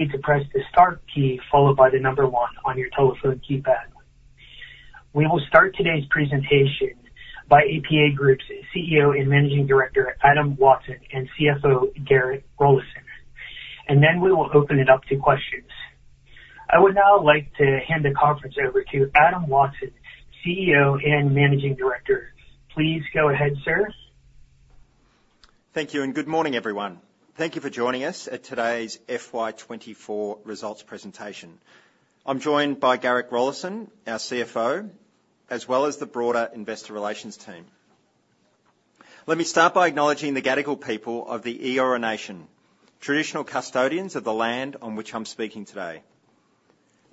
...to press the star key, followed by the number one on your telephone keypad. We will start today's presentation by APA Group's CEO and Managing Director, Adam Watson, and CFO, Garrick Rollason, and then we will open it up to questions. I would now like to hand the conference over to Adam Watson, CEO and Managing Director. Please go ahead, sir. Thank you, and good morning, everyone. Thank you for joining us at today's FY 2024 results presentation. I'm joined by Garrick Rollason, our CFO, as well as the broader investor relations team. Let me start by acknowledging the Gadigal people of the Eora Nation, traditional custodians of the land on which I'm speaking today.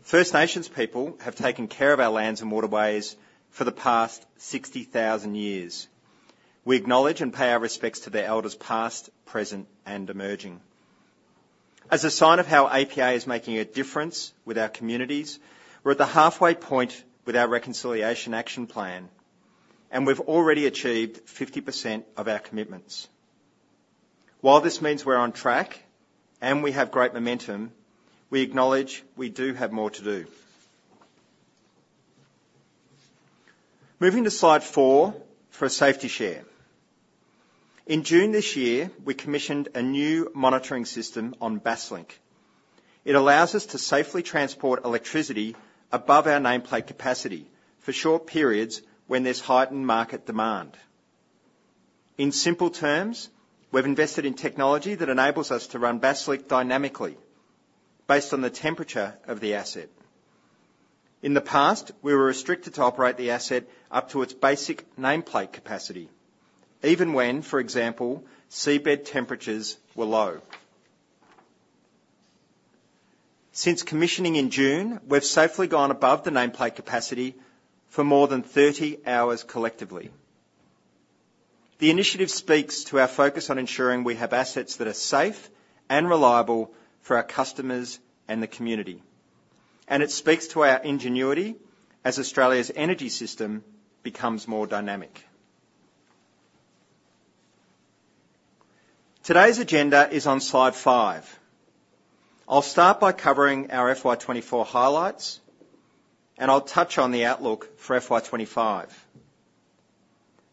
First Nations people have taken care of our lands and waterways for the past 60,000 years. We acknowledge and pay our respects to the elders past, present, and emerging. As a sign of how APA is making a difference with our communities, we're at the halfway point with our Reconciliation Action Plan, and we've already achieved 50% of our commitments. While this means we're on track and we have great momentum, we acknowledge we do have more to do. Moving to slide four for a safety share. In June this year, we commissioned a new monitoring system on Basslink. It allows us to safely transport electricity above our nameplate capacity for short periods when there's heightened market demand. In simple terms, we've invested in technology that enables us to run Basslink dynamically based on the temperature of the asset. In the past, we were restricted to operate the asset up to its basic nameplate capacity, even when, for example, seabed temperatures were low. Since commissioning in June, we've safely gone above the nameplate capacity for more than 30 hours collectively. The initiative speaks to our focus on ensuring we have assets that are safe and reliable for our customers and the community, and it speaks to our ingenuity as Australia's energy system becomes more dynamic. Today's agenda is on slide five. I'll start by covering our FY 2024 highlights, and I'll touch on the outlook for FY 2025.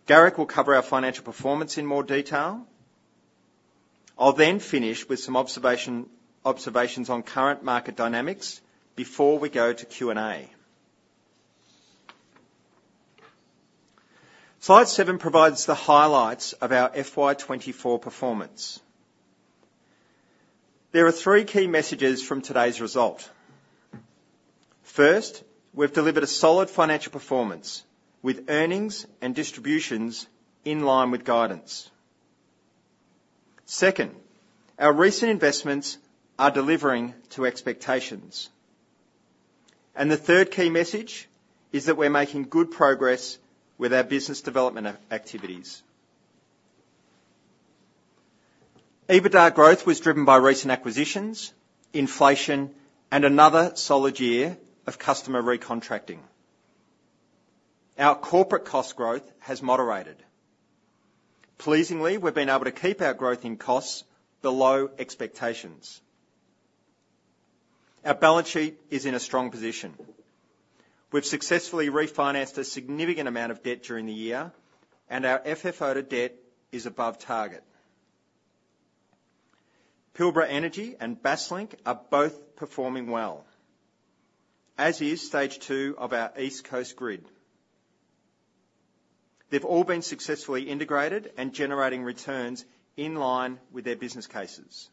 Garrick will cover our financial performance in more detail. I'll then finish with some observations on current market dynamics before we go to Q&A. Slide seven provides the highlights of our FY 2024 performance. There are three key messages from today's result. First, we've delivered a solid financial performance with earnings and distributions in line with guidance. Second, our recent investments are delivering to expectations. And the third key message is that we're making good progress with our business development activities. EBITDA growth was driven by recent acquisitions, inflation, and another solid year of customer recontracting. Our corporate cost growth has moderated. Pleasingly, we've been able to keep our growth in costs below expectations. Our balance sheet is in a strong position. We've successfully refinanced a significant amount of debt during the year, and our FFO to debt is above target. Pilbara Energy and Basslink are both performing well, as is stage two of our East Coast Grid. They've all been successfully integrated and generating returns in line with their business cases.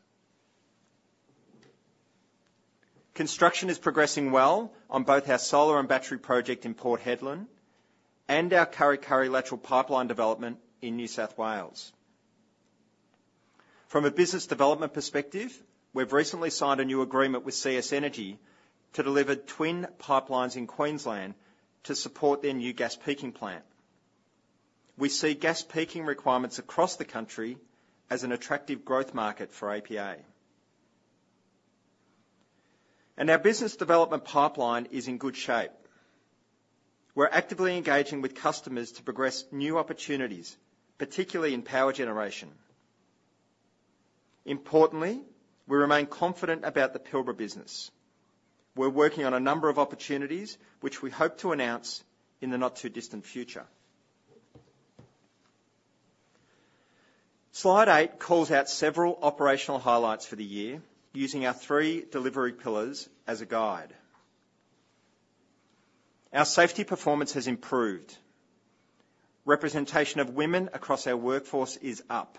Construction is progressing well on both our solar and battery project in Port Hedland and our Kurri Kurri Lateral Pipeline development in New South Wales. From a business development perspective, we've recently signed a new agreement with CS Energy to deliver twin pipelines in Queensland to support their new gas peaking plant. We see gas peaking requirements across the country as an attractive growth market for APA, and our business development pipeline is in good shape. We're actively engaging with customers to progress new opportunities, particularly in power generation. Importantly, we remain confident about the Pilbara business. We're working on a number of opportunities, which we hope to announce in the not-too-distant future. Slide eight calls out several operational highlights for the year, using our three delivery pillars as a guide. Our safety performance has improved. Representation of women across our workforce is up.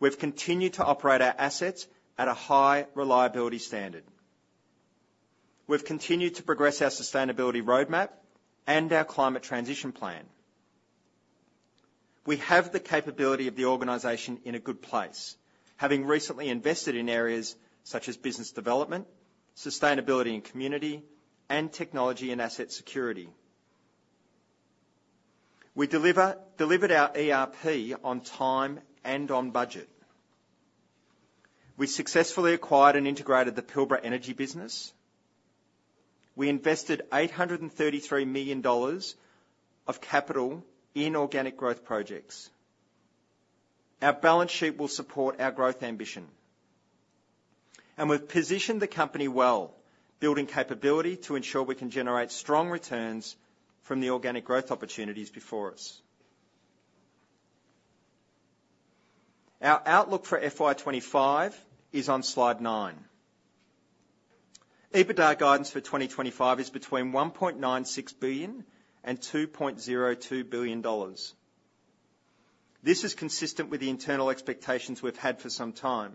We've continued to operate our assets at a high reliability standard. We've continued to progress our sustainability roadmap and our climate transition plan. We have the capability of the organization in a good place, having recently invested in areas such as business development, sustainability and community, and technology and asset security. We delivered our ERP on time and on budget. We successfully acquired and integrated the Pilbara Energy business. We invested 833 million dollars of capital in organic growth projects. Our balance sheet will support our growth ambition, and we've positioned the company well, building capability to ensure we can generate strong returns from the organic growth opportunities before us. Our outlook for FY 2025 is on Slide nine. EBITDA guidance for 2025 is between 1.96 billion and 2.02 billion dollars. This is consistent with the internal expectations we've had for some time.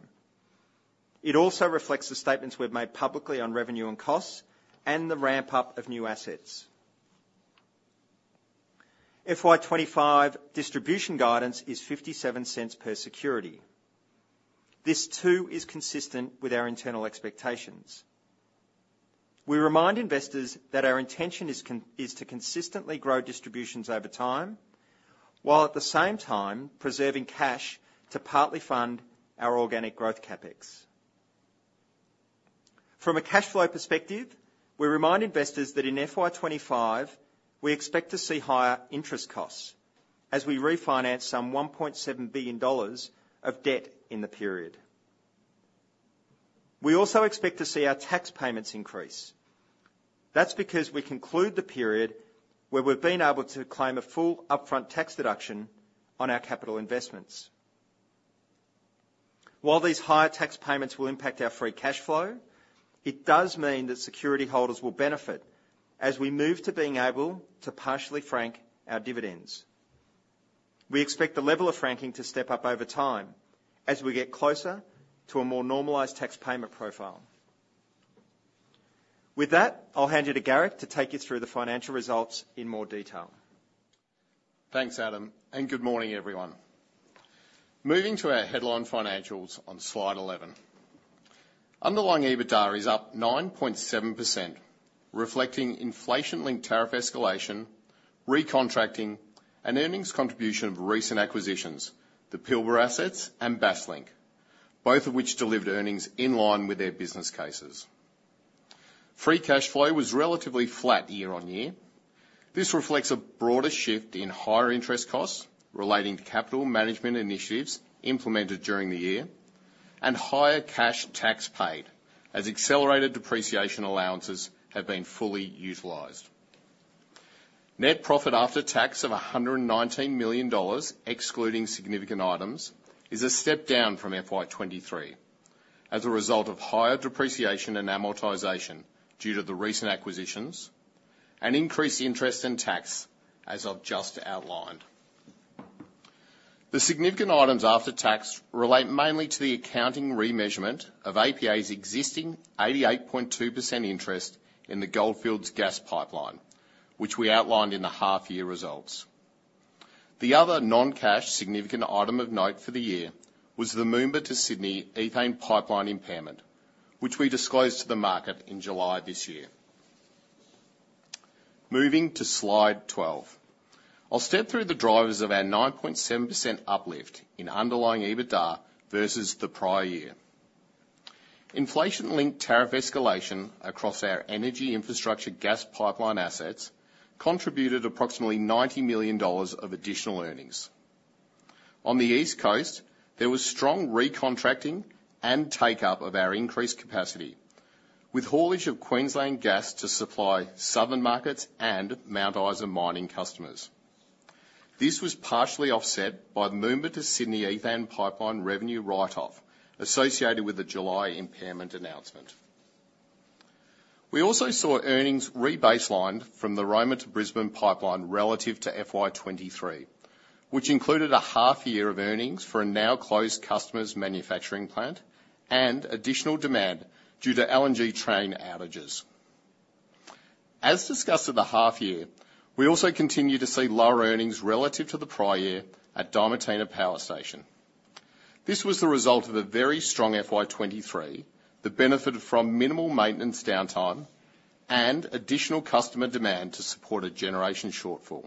It also reflects the statements we've made publicly on revenue and costs and the ramp-up of new assets. FY 2025 distribution guidance is 0.57 per security. This, too, is consistent with our internal expectations. We remind investors that our intention is to consistently grow distributions over time, while at the same time preserving cash to partly fund our organic growth CapEx. From a cash flow perspective, we remind investors that in FY25, we expect to see higher interest costs as we refinance some 1.7 billion dollars of debt in the period. We also expect to see our tax payments increase. That's because we conclude the period where we've been able to claim a full upfront tax deduction on our capital investments. While these higher tax payments will impact our free cash flow, it does mean that security holders will benefit as we move to being able to partially frank our dividends. We expect the level of franking to step up over time as we get closer to a more normalized tax payment profile. With that, I'll hand you to Garrick to take you through the financial results in more detail. Thanks, Adam, and good morning, everyone. Moving to our headline financials on Slide 11. Underlying EBITDA is up 9.7%, reflecting inflation-linked tariff escalation, recontracting, and earnings contribution of recent acquisitions, the Pilbara assets and Basslink, both of which delivered earnings in line with their business cases. Free cash flow was relatively flat year-on-year. This reflects a broader shift in higher interest costs relating to capital management initiatives implemented during the year, and higher cash tax paid, as accelerated depreciation allowances have been fully utilized. Net profit after tax of 119 million dollars, excluding significant items, is a step down from FY 2023 as a result of higher depreciation and amortization due to the recent acquisitions, and increased interest in tax, as I've just outlined. The significant items after tax relate mainly to the accounting remeasurement of APA's existing 88.2% interest in the Goldfields Gas Pipeline, which we outlined in the half-year results. The other non-cash significant item of note for the year was the Moomba to Sydney Ethane Pipeline impairment, which we disclosed to the market in July this year. Moving to Slide 12. I'll step through the drivers of our 9.7% uplift in underlying EBITDA versus the prior year. Inflation-linked tariff escalation across our energy infrastructure gas pipeline assets contributed approximately 90 million dollars of additional earnings. On the East Coast, there was strong recontracting and take-up of our increased capacity, with haulage of Queensland gas to supply southern markets and Mount Isa mining customers. This was partially offset by the Moomba to Sydney Ethane Pipeline revenue write-off associated with the July impairment announcement. We also saw earnings rebaselined from the Roma to Brisbane Pipeline relative to FY 2023, which included a half year of earnings for a now-closed customer's manufacturing plant and additional demand due to LNG train outages. As discussed at the half year, we also continue to see lower earnings relative to the prior year at Diamantina Power Station. This was the result of a very strong FY 2023, that benefited from minimal maintenance downtime and additional customer demand to support a generation shortfall.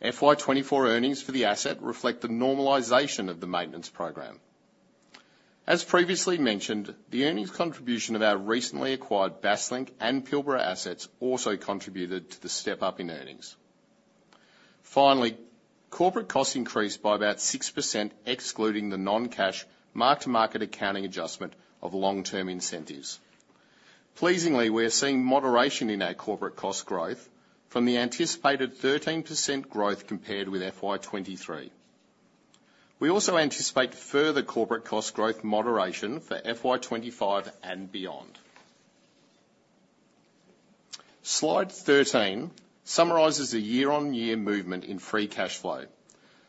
FY 2024 earnings for the asset reflect the normalization of the maintenance program. As previously mentioned, the earnings contribution of our recently acquired Basslink and Pilbara assets also contributed to the step-up in earnings. Finally, corporate costs increased by about 6%, excluding the non-cash, mark-to-market accounting adjustment of long-term incentives. Pleasingly, we are seeing moderation in our corporate cost growth from the anticipated 13% growth compared with FY 2023. We also anticipate further corporate cost growth moderation for FY 2025 and beyond. Slide 13 summarizes the year-on-year movement in free cash flow,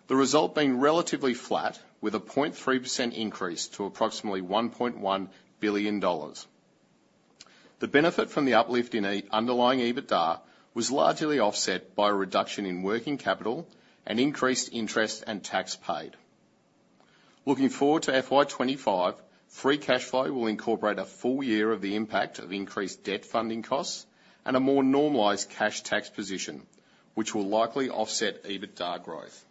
the result being relatively flat, with a 0.3% increase to approximately 1.1 billion dollars. The benefit from the uplift in the underlying EBITDA was largely offset by a reduction in working capital and increased interest and tax paid. Looking forward to FY 2025, free cash flow will incorporate a full year of the impact of increased debt funding costs and a more normalized cash tax position, which will likely offset EBITDA growth.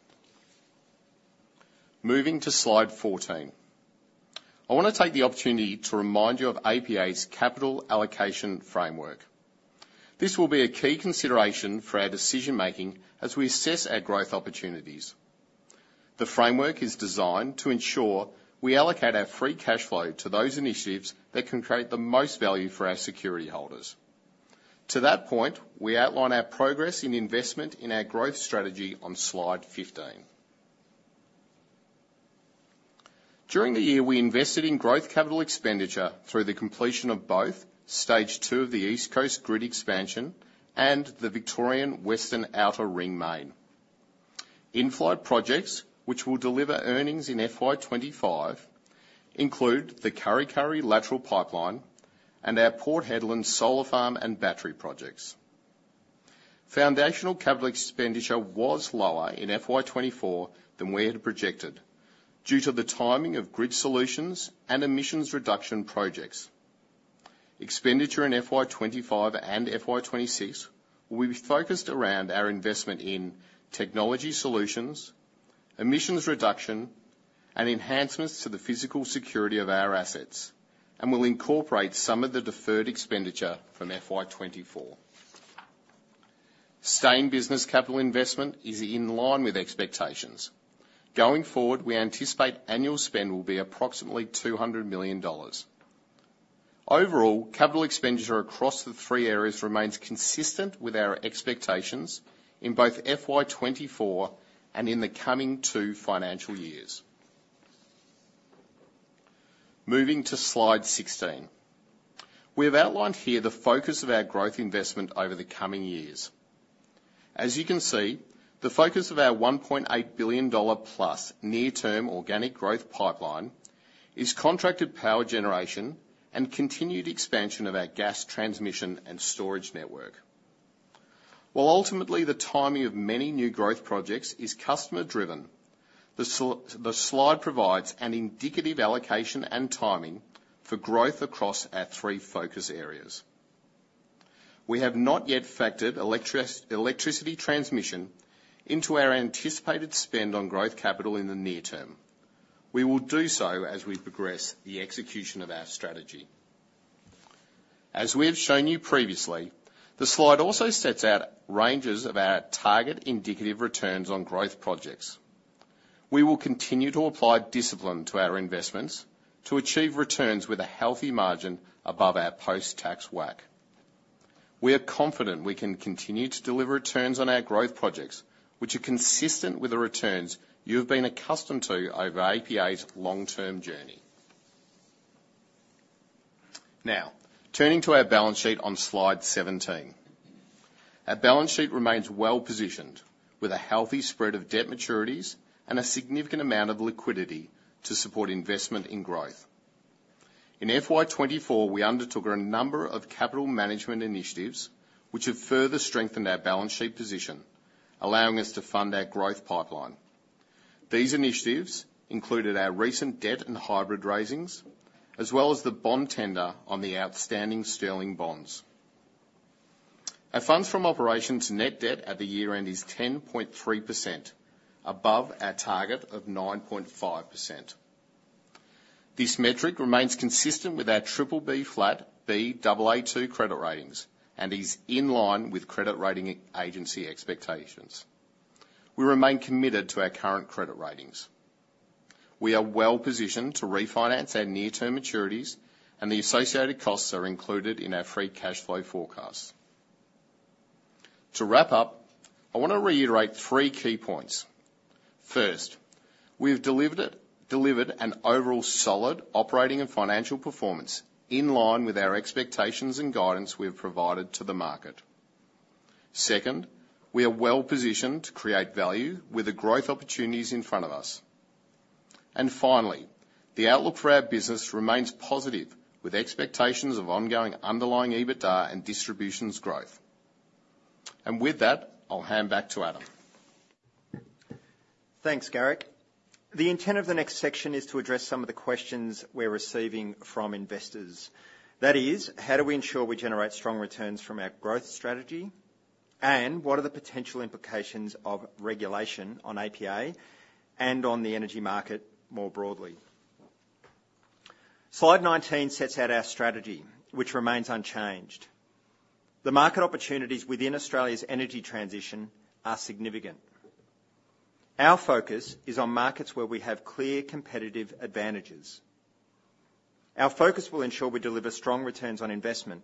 Moving to Slide 14. I wanna take the opportunity to remind you of APA's capital allocation framework. This will be a key consideration for our decision-making as we assess our growth opportunities. The framework is designed to ensure we allocate our free cash flow to those initiatives that can create the most value for our security holders. To that point, we outline our progress in investment in our growth strategy on slide fifteen. During the year, we invested in growth capital expenditure through the completion of both stage two of the East Coast Grid expansion and the Victorian Western Outer Ring Main. In-flight projects, which will deliver earnings in FY 2025, include the Kurri Kurri Lateral Pipeline and our Port Hedland solar farm and battery projects. Foundational capital expenditure was lower in FY 2024 than we had projected, due to the timing of grid solutions and emissions reduction projects. Expenditure in FY25 and FY26 will be focused around our investment in technology solutions, emissions reduction, and enhancements to the physical security of our assets, and will incorporate some of the deferred expenditure from FY24. Sustaining business capital investment is in line with expectations. Going forward, we anticipate annual spend will be approximately 200 million dollars. Overall, capital expenditure across the three areas remains consistent with our expectations in both FY24 and in the coming two financial years. Moving to slide 16. We have outlined here the focus of our growth investment over the coming years. As you can see, the focus of our 1.8+ billion dollar near-term organic growth pipeline is contracted power generation and continued expansion of our gas transmission and storage network. While ultimately, the timing of many new growth projects is customer-driven, the slide provides an indicative allocation and timing for growth across our three focus areas. We have not yet factored electricity transmission into our anticipated spend on growth capital in the near term. We will do so as we progress the execution of our strategy. As we have shown you previously, the slide also sets out ranges of our target indicative returns on growth projects. We will continue to apply discipline to our investments to achieve returns with a healthy margin above our post-tax WACC. We are confident we can continue to deliver returns on our growth projects, which are consistent with the returns you have been accustomed to over APA's long-term journey. Now, turning to our balance sheet on slide 17. Our balance sheet remains well-positioned, with a healthy spread of debt maturities and a significant amount of liquidity to support investment in growth. In FY24, we undertook a number of capital management initiatives, which have further strengthened our balance sheet position, allowing us to fund our growth pipeline. These initiatives included our recent debt and hybrid raisings, as well as the bond tender on the outstanding Sterling bonds. Our funds from operations to net debt at year end is 10.3%, above our target of 9.5%. This metric remains consistent with our BBB-, Baa2 credit ratings, and is in line with credit rating agency expectations. We remain committed to our current credit ratings. We are well-positioned to refinance our near-term maturities, and the associated costs are included in our free cash flow forecast. To wrap up, I wanna reiterate three key points: First, we have delivered an overall solid operating and financial performance in line with our expectations and guidance we have provided to the market. Second, we are well-positioned to create value with the growth opportunities in front of us. And finally, the outlook for our business remains positive, with expectations of ongoing underlying EBITDA and distributions growth. And with that, I'll hand back to Adam. Thanks, Garrick. The intent of the next section is to address some of the questions we're receiving from investors. That is, how do we ensure we generate strong returns from our growth strategy? And what are the potential implications of regulation on APA and on the energy market more broadly? Slide 19 sets out our strategy, which remains unchanged. The market opportunities within Australia's energy transition are significant. Our focus is on markets where we have clear competitive advantages. Our focus will ensure we deliver strong returns on investment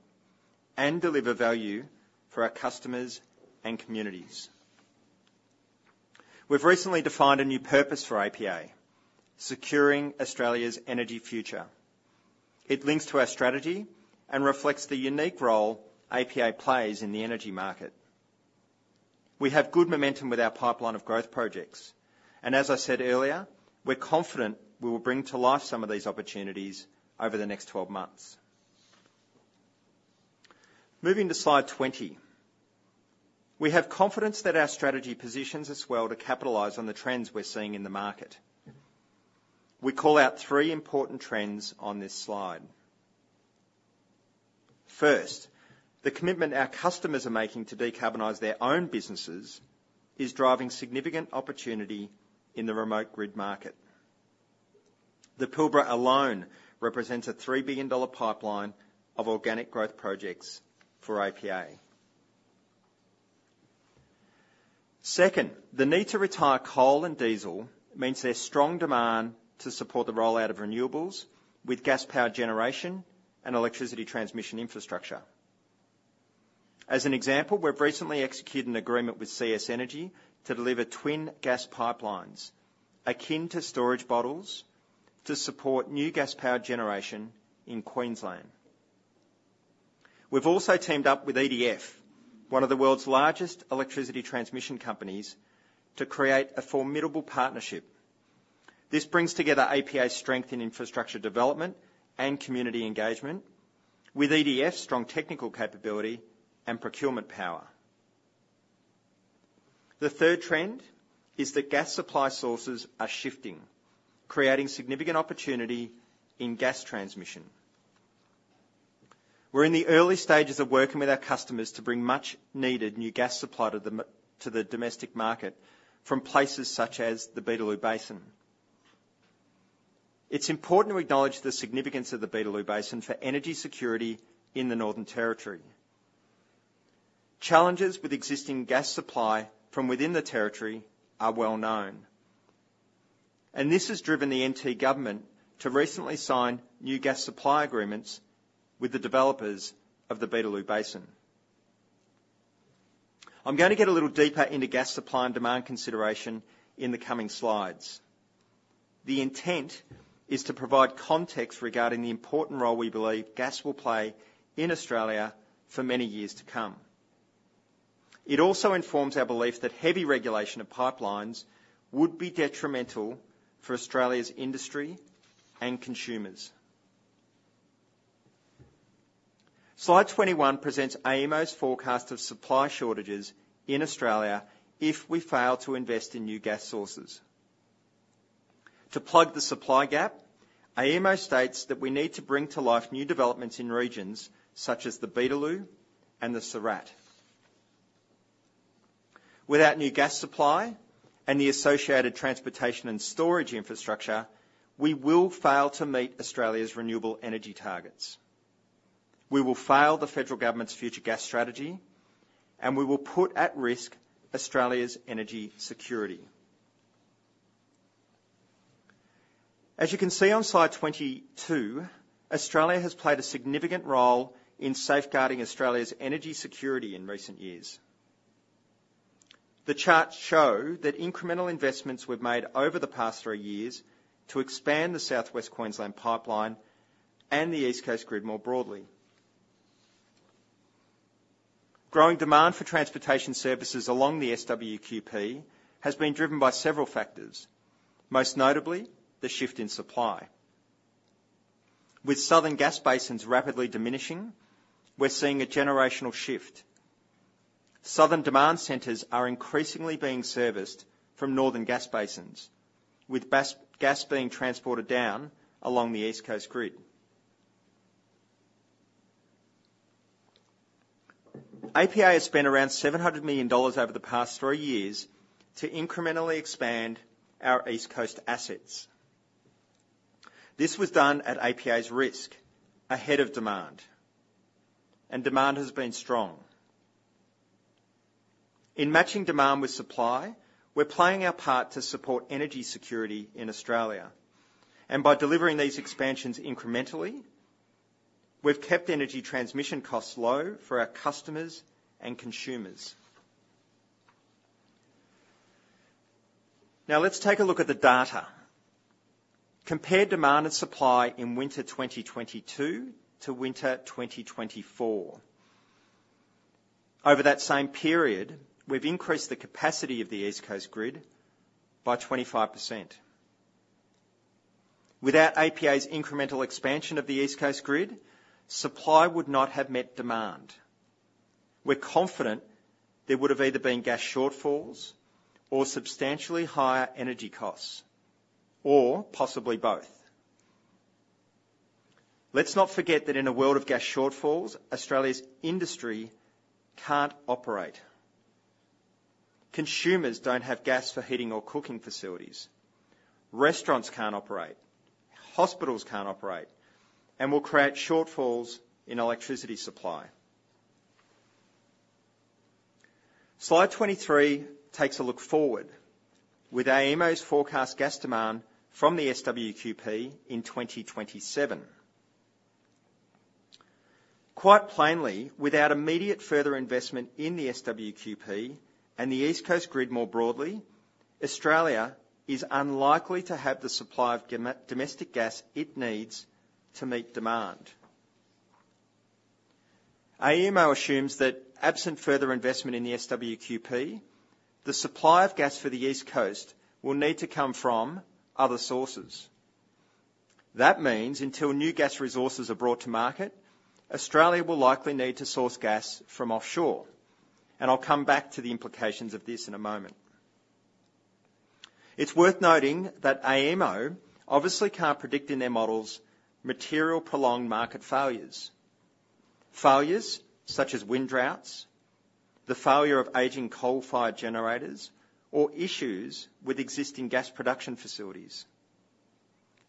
and deliver value for our customers and communities. We've recently defined a new purpose for APA: securing Australia's energy future. It links to our strategy and reflects the unique role APA plays in the energy market. We have good momentum with our pipeline of growth projects, and as I said earlier, we're confident we will bring to life some of these opportunities over the next 12 months. Moving to slide 20. We have confidence that our strategy positions us well to capitalize on the trends we're seeing in the market. We call out three important trends on this slide... First, the commitment our customers are making to decarbonize their own businesses is driving significant opportunity in the remote grid market. The Pilbara alone represents a $3 billion-dollar pipeline of organic growth projects for APA. Second, the need to retire coal and diesel means there's strong demand to support the rollout of renewables with gas-powered generation and electricity transmission infrastructure. As an example, we've recently executed an agreement with CS Energy to deliver twin gas pipelines, akin to storage bottles, to support new gas-powered generation in Queensland. We've also teamed up with EDF, one of the world's largest electricity transmission companies, to create a formidable partnership. This brings together APA's strength in infrastructure development and community engagement with EDF's strong technical capability and procurement power. The third trend is that gas supply sources are shifting, creating significant opportunity in gas transmission. We're in the early stages of working with our customers to bring much-needed new gas supply to the domestic market from places such as the Beetaloo Basin. It's important to acknowledge the significance of the Beetaloo Basin for energy security in the Northern Territory. Challenges with existing gas supply from within the Territory are well known, and this has driven the NT government to recently sign new gas supply agreements with the developers of the Beetaloo Basin. I'm going to get a little deeper into gas supply and demand consideration in the coming slides. The intent is to provide context regarding the important role we believe gas will play in Australia for many years to come. It also informs our belief that heavy regulation of pipelines would be detrimental for Australia's industry and consumers. Slide twenty-one presents AEMO's forecast of supply shortages in Australia if we fail to invest in new gas sources. To plug the supply gap, AEMO states that we need to bring to life new developments in regions such as the Beetaloo and the Surat. Without new gas supply and the associated transportation and storage infrastructure, we will fail to meet Australia's renewable energy targets. We will fail the federal government's future gas strategy, and we will put at risk Australia's energy security. As you can see on slide 22, APA has played a significant role in safeguarding Australia's energy security in recent years. The charts show that incremental investments were made over the past three years to expand the South West Queensland Pipeline and the East Coast Grid more broadly. Growing demand for transportation services along the SWQP has been driven by several factors, most notably, the shift in supply. With southern gas basins rapidly diminishing, we're seeing a generational shift. Southern demand centers are increasingly being serviced from northern gas basins, with basin gas being transported down along the East Coast Grid. APA has spent around 700 million dollars over the past three years to incrementally expand our East Coast assets. This was done at APA's risk, ahead of demand, and demand has been strong. In matching demand with supply, we're playing our part to support energy security in Australia, and by delivering these expansions incrementally, we've kept energy transmission costs low for our customers and consumers. Now, let's take a look at the data. Compare demand and supply in winter 2022 to winter 2024. Over that same period, we've increased the capacity of the East Coast Grid by 25%. Without APA's incremental expansion of the East Coast Grid, supply would not have met demand. We're confident there would have either been gas shortfalls or substantially higher energy costs, or possibly both. Let's not forget that in a world of gas shortfalls, Australia's industry can't operate. Consumers don't have gas for heating or cooking facilities. Restaurants can't operate, hospitals can't operate, and will create shortfalls in electricity supply. Slide 23 takes a look forward with AEMO's forecast gas demand from the SWQP in 2027. Quite plainly, without immediate further investment in the SWQP and the East Coast Grid more broadly, Australia is unlikely to have the supply of domestic gas it needs to meet demand. AEMO assumes that absent further investment in the SWQP, the supply of gas for the East Coast will need to come from other sources. That means until new gas resources are brought to market, Australia will likely need to source gas from offshore, and I'll come back to the implications of this in a moment. It's worth noting that AEMO obviously can't predict in their models material prolonged market failures. Failures such as wind droughts, the failure of aging coal-fired generators, or issues with existing gas production facilities.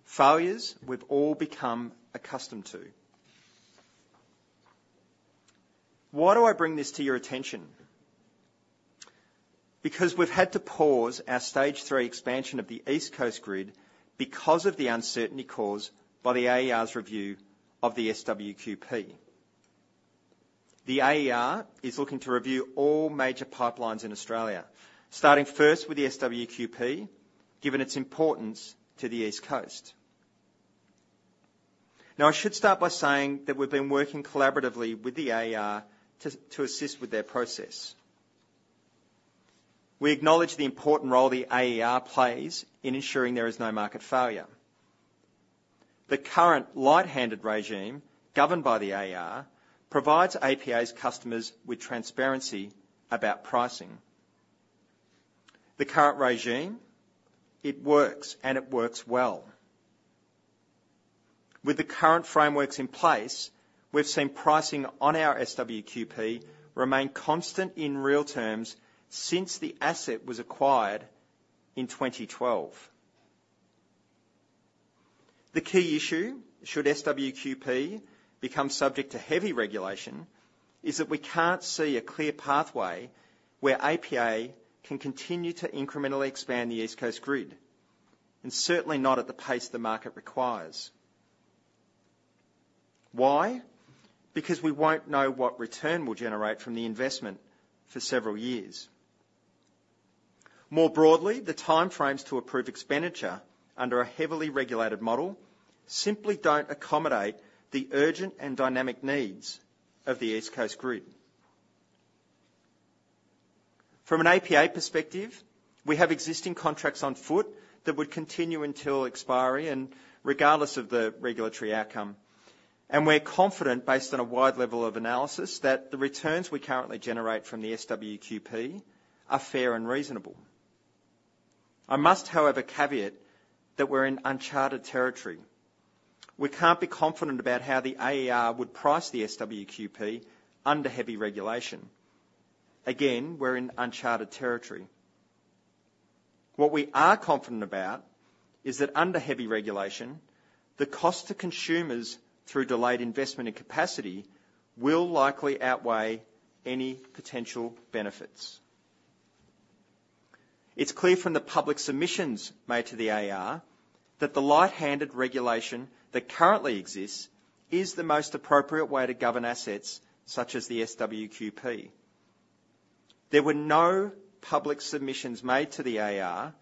Failures we've all become accustomed to. Why do I bring this to your attention? Because we've had to pause our stage three expansion of the East Coast Grid because of the uncertainty caused by the AER's review of the SWQP. The AER is looking to review all major pipelines in Australia, starting first with the SWQP, given its importance to the East Coast. Now, I should start by saying that we've been working collaboratively with the AER to assist with their process. We acknowledge the important role the AER plays in ensuring there is no market failure. The current light-handed regime, governed by the AER, provides APA's customers with transparency about pricing. The current regime, it works, and it works well. With the current frameworks in place, we've seen pricing on our SWQP remain constant in real terms since the asset was acquired in twenty twelve. The key issue, should SWQP become subject to heavy regulation, is that we can't see a clear pathway where APA can continue to incrementally expand the East Coast grid, and certainly not at the pace the market requires. Why? Because we won't know what return we'll generate from the investment for several years. More broadly, the time frames to approve expenditure under a heavily regulated model simply don't accommodate the urgent and dynamic needs of the East Coast Grid. From an APA perspective, we have existing contracts on foot that would continue until expiry and regardless of the regulatory outcome, and we're confident, based on a wide level of analysis, that the returns we currently generate from the SWQP are fair and reasonable. I must, however, caveat that we're in uncharted Territory. We can't be confident about how the AER would price the SWQP under heavy regulation. Again, we're in uncharted Territory. What we are confident about is that under heavy regulation, the cost to consumers through delayed investment and capacity will likely outweigh any potential benefits. It's clear from the public submissions made to the AER that the light-handed regulation that currently exists is the most appropriate way to govern assets such as the SWQP. There were no public submissions made to the AER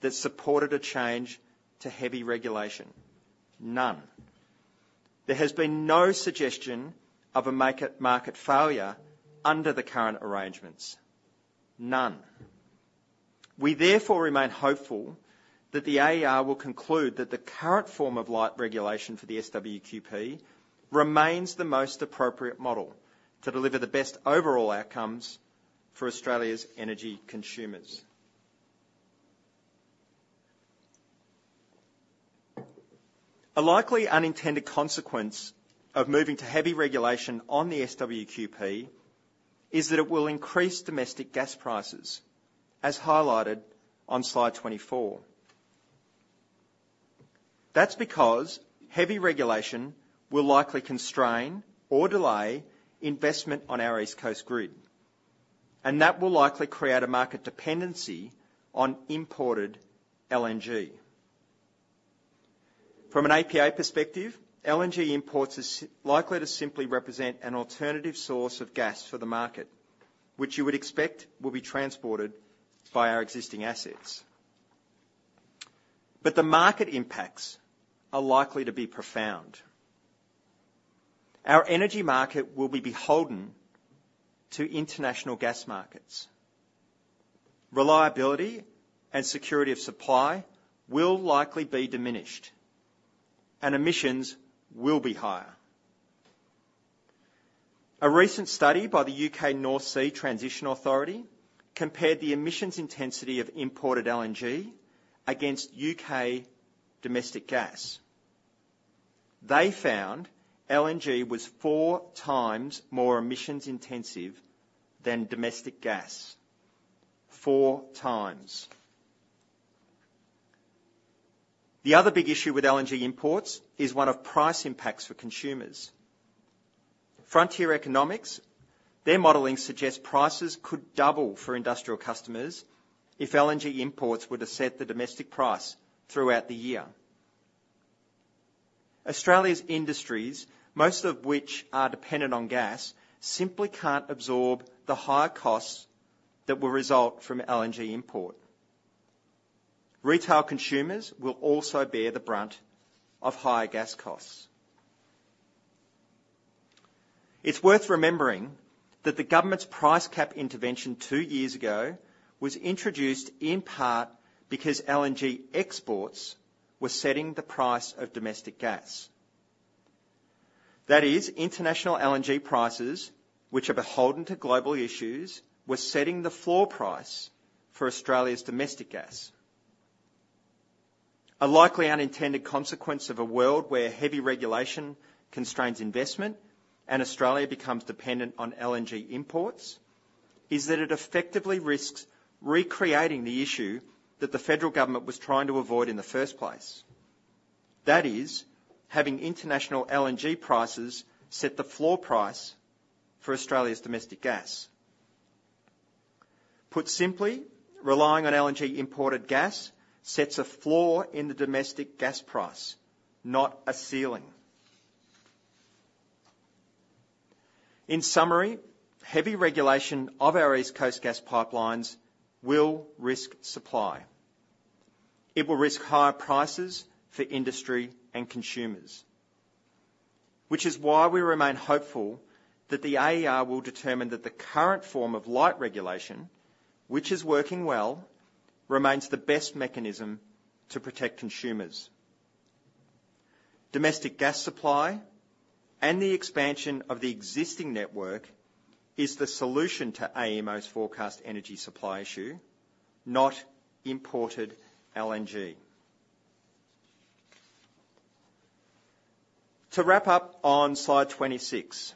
that supported a change to heavy regulation. None. There has been no suggestion of a market failure under the current arrangements. None. We therefore remain hopeful that the AER will conclude that the current form of light regulation for the SWQP remains the most appropriate model to deliver the best overall outcomes for Australia's energy consumers. A likely unintended consequence of moving to heavy regulation on the SWQP is that it will increase domestic gas prices, as highlighted on slide 24. That's because heavy regulation will likely constrain or delay investment on our East Coast grid, and that will likely create a market dependency on imported LNG. From an APA perspective, LNG imports is likely to simply represent an alternative source of gas for the market, which you would expect will be transported by our existing assets. But the market impacts are likely to be profound. Our energy market will be beholden to international gas markets. Reliability and security of supply will likely be diminished, and emissions will be higher. A recent study by the UK North Sea Transition Authority compared the emissions intensity of imported LNG against UK domestic gas. They found LNG was four times more emissions-intensive than domestic gas. Four times. The other big issue with LNG imports is one of price impacts for consumers. Frontier Economics, their modeling suggests prices could double for industrial customers if LNG imports were to set the domestic price throughout the year. Australia's industries, most of which are dependent on gas, simply can't absorb the higher costs that will result from LNG import. Retail consumers will also bear the brunt of higher gas costs. It's worth remembering that the government's price cap intervention two years ago was introduced, in part, because LNG exports were setting the price of domestic gas... That is international LNG prices, which are beholden to global issues, were setting the floor price for Australia's domestic gas. A likely unintended consequence of a world where heavy regulation constrains investment and Australia becomes dependent on LNG imports, is that it effectively risks recreating the issue that the federal government was trying to avoid in the first place. That is, having international LNG prices set the floor price for Australia's domestic gas. Put simply, relying on LNG imported gas sets a floor in the domestic gas price, not a ceiling. In summary, heavy regulation of our East Coast gas pipelines will risk supply. It will risk higher prices for industry and consumers, which is why we remain hopeful that the AER will determine that the current form of light regulation, which is working well, remains the best mechanism to protect consumers. Domestic gas supply and the expansion of the existing network is the solution to AEMO's forecast energy supply issue, not imported LNG. To wrap up on slide 26,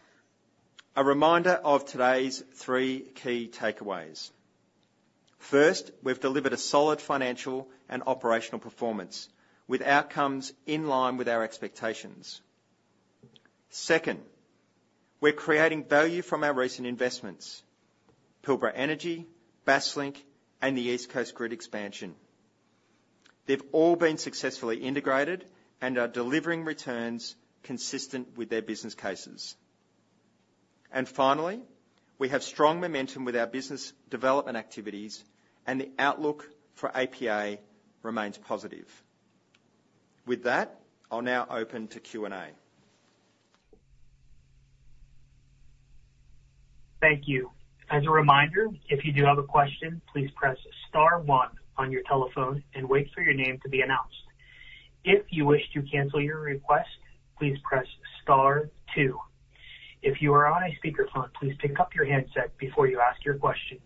a reminder of today's three key takeaways. First, we've delivered a solid financial and operational performance with outcomes in line with our expectations. Second, we're creating value from our recent investments, Pilbara Energy, Basslink, and the East Coast Grid expansion. They've all been successfully integrated and are delivering returns consistent with their business cases. And finally, we have strong momentum with our business development activities, and the outlook for APA remains positive. With that, I'll now open to Q&A. Thank you. As a reminder, if you do have a question, please press star one on your telephone and wait for your name to be announced. If you wish to cancel your request, please press star two. If you are on a speakerphone, please pick up your handset before you ask your question.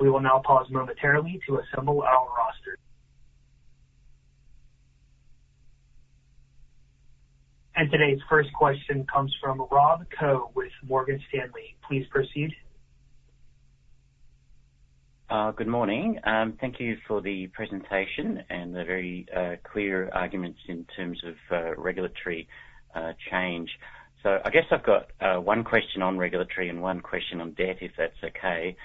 We will now pause momentarily to assemble our roster. Today's first question comes from Rob Koh with Morgan Stanley. Please proceed. Good morning. Thank you for the presentation and the very clear arguments in terms of regulatory change. So I guess I've got one question on regulatory and one question on debt, if that's okay.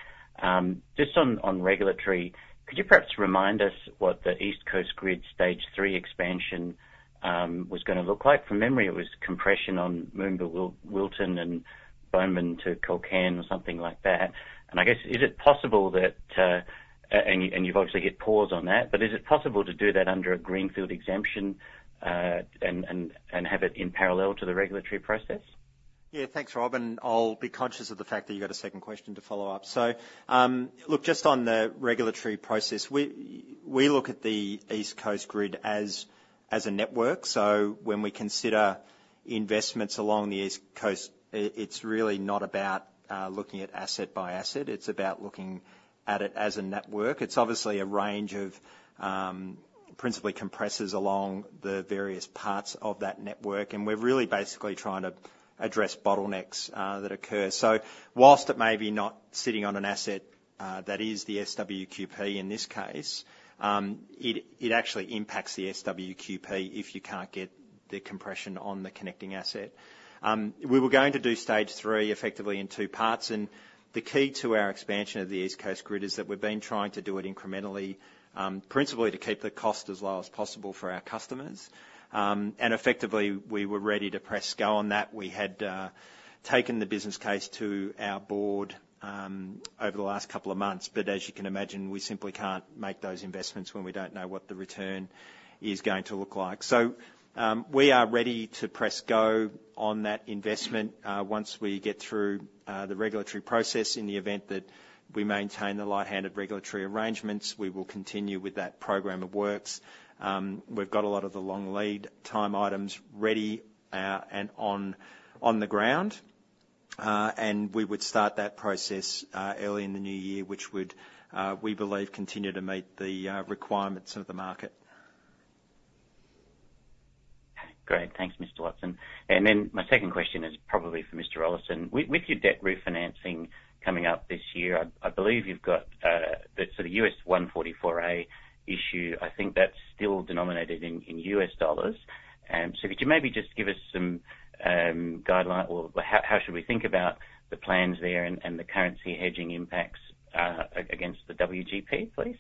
Just on regulatory, could you perhaps remind us what the East Coast Grid Stage Three expansion was gonna look like? From memory, it was compression on Moomba, Wilton and Bomen to Culcairn or something like that. And I guess, is it possible that you've obviously hit pause on that, but is it possible to do that under a greenfield exemption, and have it in parallel to the regulatory process? Yeah, thanks, Rob, and I'll be conscious of the fact that you've got a second question to follow up. So, look, just on the regulatory process, we look at the East Coast Grid as a network. So when we consider investments along the East Coast, it's really not about looking at asset by asset, it's about looking at it as a network. It's obviously a range of principally compressors along the various parts of that network, and we're really basically trying to address bottlenecks that occur. So whilst it may be not sitting on an asset that is the SWQP in this case, it actually impacts the SWQP if you can't get the compression on the connecting asset. We were going to do stage three effectively in two parts, and the key to our expansion of the East Coast Grid is that we've been trying to do it incrementally, principally to keep the cost as low as possible for our customers. And effectively, we were ready to press go on that. We had taken the business case to our board over the last couple of months, but as you can imagine, we simply can't make those investments when we don't know what the return is going to look like. So, we are ready to press go on that investment once we get through the regulatory process. In the event that we maintain the light-handed regulatory arrangements, we will continue with that program of works. We've got a lot of the long lead time items ready, and on the ground. We would start that process early in the new year, which would, we believe, continue to meet the requirements of the market. Great. Thanks, Mr. Watson. And then my second question is probably for Mr. Rollason. With your debt refinancing coming up this year, I believe you've got the sort of Rule 144A issue. I think that's still denominated in US dollars. So could you maybe just give us some guideline or how should we think about the plans there and the currency hedging impacts against the WGP, please?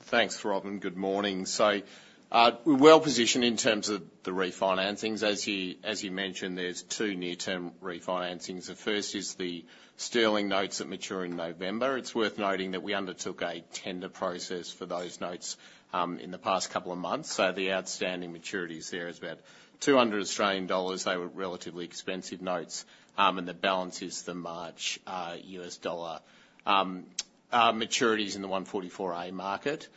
...Thanks, Robin. Good morning. So, we're well positioned in terms of the refinancings. As you mentioned, there's two near-term refinancings. The first is the Sterling notes that mature in November. It's worth noting that we undertook a tender process for those notes in the past couple of months, so the outstanding maturities there is about 200 Australian dollars. They were relatively expensive notes, and the balance is the March US dollar maturities in the Rule 144A market.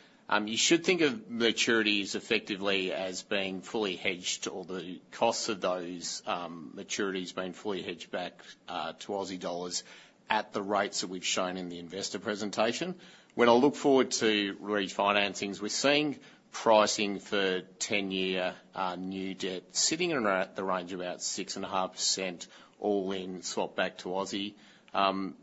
You should think of maturities effectively as being fully hedged, or the costs of those maturities being fully hedged back to Aussie dollars at the rates that we've shown in the investor presentation. When I look forward to refinancings, we're seeing pricing for ten-year new debt sitting around at the range of about 6.5%, all in swap back to Aussie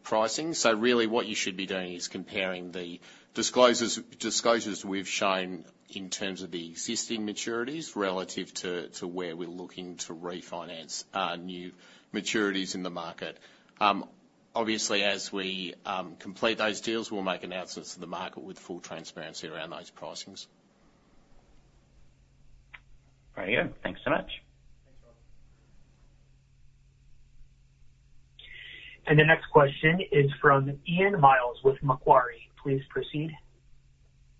pricing. So really, what you should be doing is comparing the disclosures we've shown in terms of the existing maturities relative to where we're looking to refinance new maturities in the market. Obviously, as we complete those deals, we'll make announcements to the market with full transparency around those pricings. Very good. Thanks so much. Thanks, Rob. The next question is from Ian Myles with Macquarie. Please proceed.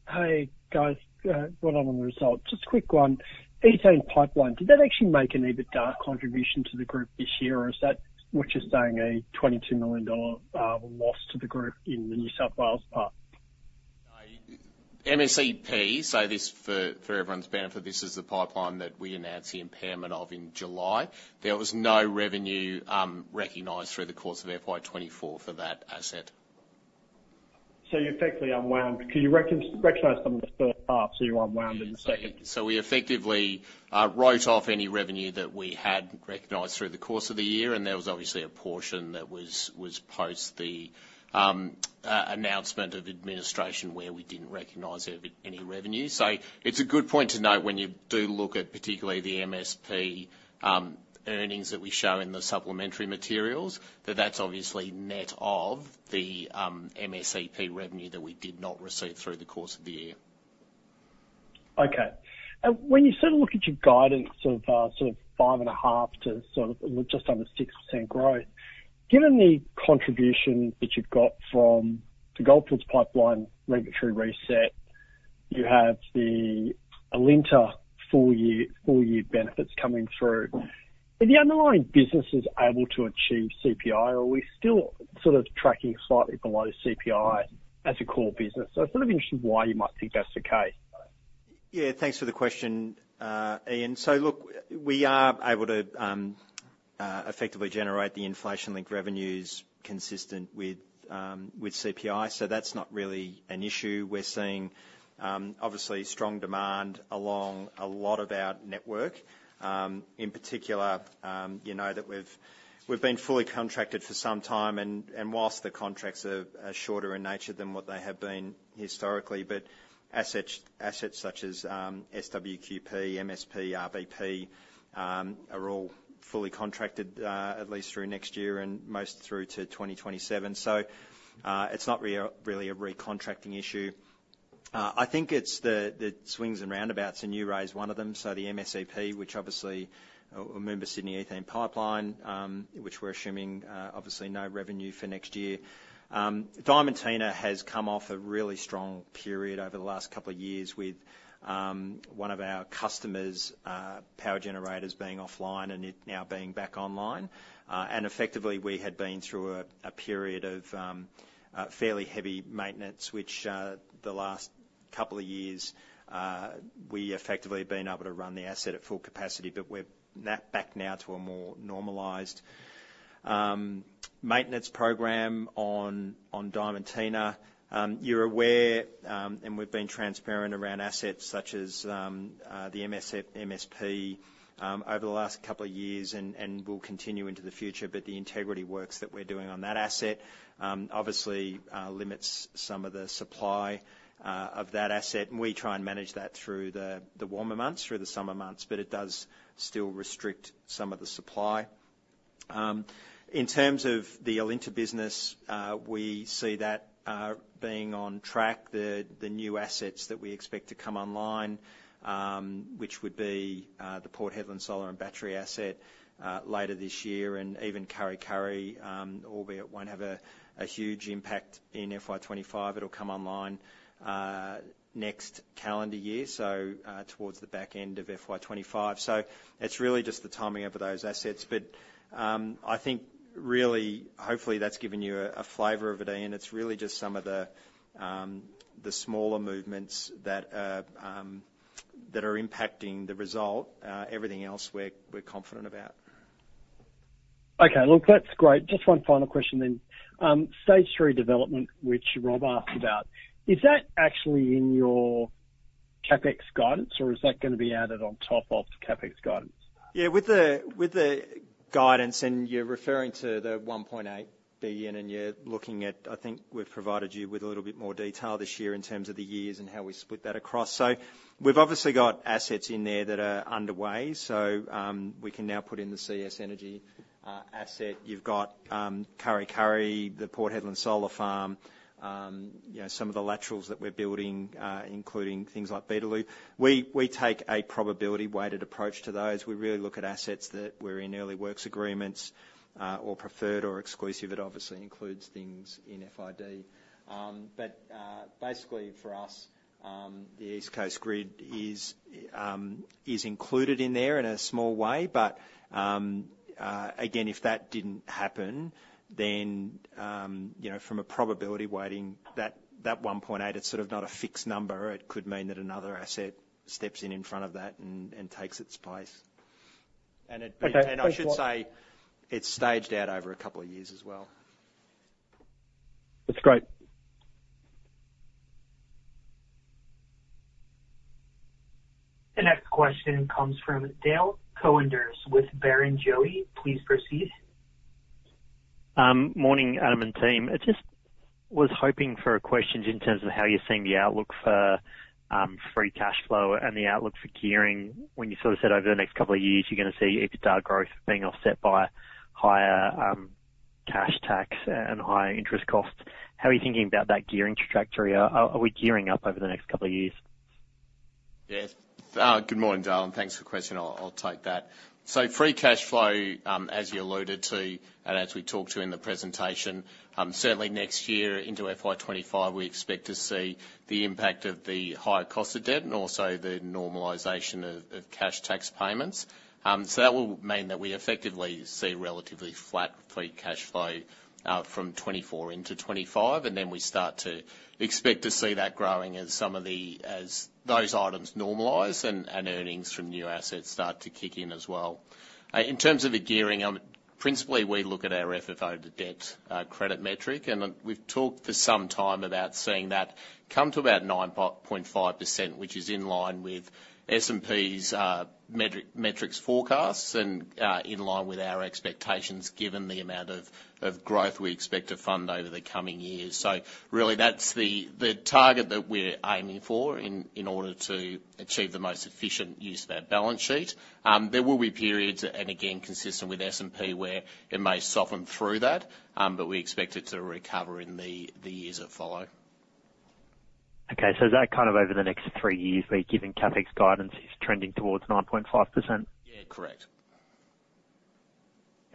Hey, guys, well done on the results. Just a quick one. Ethane Pipeline, did that actually make an EBITDA contribution to the group this year, or is that what you're saying, a 22 million dollar loss to the group in the New South Wales part? MSP, so this, for everyone's benefit, this is the pipeline that we announced the impairment of in July. There was no revenue, recognized through the course of FY 2024 for that asset. So you effectively unwound because you recognized some of the first half, so you unwound in the second? So we effectively wrote off any revenue that we had recognized through the course of the year, and there was obviously a portion that was post the announcement of administration, where we didn't recognize any revenue. So it's a good point to note when you do look at, particularly the MSP, earnings that we show in the supplementary materials, that that's obviously net of the MSP revenue that we did not receive through the course of the year. Okay. When you sort of look at your guidance of sort of five and a half to just under six % growth, given the contribution that you've got from the Goldfields Pipeline regulatory reset, you have the Alinta full year benefits coming through. Are the underlying businesses able to achieve CPI, or are we still sort of tracking slightly below CPI as a core business?, so sort of interested in why you might think that's the case. Yeah, thanks for the question, Ian. So look, we are able to effectively generate the inflation-linked revenues consistent with CPI, so that's not really an issue. We're seeing obviously strong demand along a lot of our network. In particular, you know that we've been fully contracted for some time, and whilst the contracts are shorter in nature than what they have been historically, but assets such as SWQP, MSP, RBP are all fully contracted at least through next year and most through to 2027. So it's not really a recontracting issue. I think it's the swings and roundabouts, and you raised one of them, so the MSP, which obviously we remember Sydney Ethane Pipeline, which we're assuming obviously no revenue for next year. Diamantina has come off a really strong period over the last couple of years with one of our customers, power generators being offline and it now being back online, and effectively, we had been through a period of fairly heavy maintenance, which the last couple of years we effectively been able to run the asset at full capacity, but we're now back to a more normalized maintenance program on Diamantina. You're aware, and we've been transparent around assets such as the MSP over the last couple of years and will continue into the future, but the integrity works that we're doing on that asset obviously limits some of the supply of that asset, and we try and manage that through the warmer months, through the summer months, but it does still restrict some of the supply. In terms of the Alinta business, we see that being on track. The new assets that we expect to come online, which would be the Port Hedland Solar and Battery asset later this year, and even Kurri Kurri, albeit won't have a huge impact in FY25. It'll come online next calendar year, so towards the back end of FY25. So it's really just the timing of those assets, but I think really, hopefully, that's given you a flavor of it, Ian. It's really just some of the smaller movements that are impacting the result. Everything else we're confident about. Okay, look, that's great. Just one final question then. Stage three development, which Rob asked about, is that actually in your CapEx guidance, or is that gonna be added on top of the CapEx guidance? Yeah, with the guidance, and you're referring to the 1.8 billion, and you're looking at, I think, we've provided you with a little bit more detail this year in terms of the years and how we split that across. So we've obviously got assets in there that are underway, so we can now put in the CS Energy asset. You've got Kurri Kurri, the Port Hedland Solar Farm, you know, some of the laterals that we're building, including things like Beetaloo. We take a probability-weighted approach to those. We really look at assets that we're in early works agreements, or preferred, or exclusive. It obviously includes things in FID. But basically for us, the East Coast Grid is included in there in a small way, but again, if that didn't happen, then you know, from a probability weighting, that 1.8, it's sort of not a fixed number. It could mean that another asset steps in in front of that and takes its place. And it- Okay, thanks a lot. I should say, it's staged out over a couple of years as well. That's great. The next question comes from Dale Koenders with Barrenjoey. Please proceed. Morning, Adam and team. I just was hoping for questions in terms of how you're seeing the outlook for free cash flow and the outlook for gearing. When you sort of said over the next couple of years, you're gonna see EBITDA growth being offset by higher cash tax and higher interest costs. How are you thinking about that gearing trajectory? Are we gearing up over the next couple of years? Yes. Good morning, Dale, and thanks for the question. I'll take that. So Free Cash Flow, as you alluded to, and as we talked to in the presentation, certainly next year into FY 2025, we expect to see the impact of the higher cost of debt and also the normalization of cash tax payments. So that will mean that we effectively see relatively flat Free Cash Flow, from 2024 into 2025, and then we start to expect to see that growing as those items normalize and earnings from new assets start to kick in as well. In terms of the gearing, principally, we look at our FFO to debt credit metric, and we've talked for some time about seeing that come to about 9.5%, which is in line with S&P's metrics forecasts and in line with our expectations, given the amount of growth we expect to fund over the coming years. So really, that's the target that we're aiming for in order to achieve the most efficient use of our balance sheet. There will be periods, and again, consistent with S&P, where it may soften through that, but we expect it to recover in the years that follow. Okay, so is that kind of over the next three years, where you're giving CapEx guidance is trending towards 9.5%? Yeah, correct.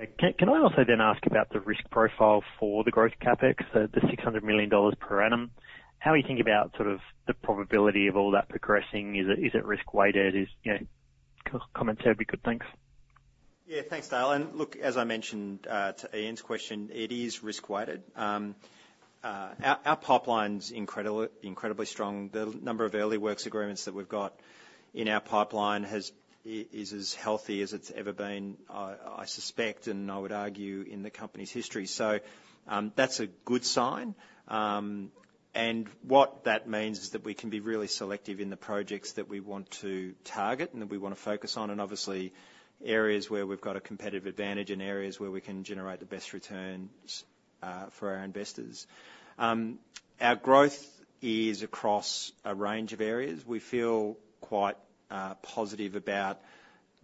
Okay. Can I also then ask about the risk profile for the growth CapEx, the 600 million dollars per annum? How are you thinking about sort of the probability of all that progressing? Is it risk-weighted? Is, you know, some comment there would be good. Thanks. Yeah. Thanks, Dale, and look, as I mentioned, to Ian's question, it is risk-weighted. Our pipeline's incredible, incredibly strong. The number of early works agreements that we've got in our pipeline is as healthy as it's ever been, I suspect, and I would argue, in the company's history. So, that's a good sign. And what that means is that we can be really selective in the projects that we want to target and that we wanna focus on, and obviously, areas where we've got a competitive advantage and areas where we can generate the best returns, for our investors. Our growth is across a range of areas. We feel quite positive about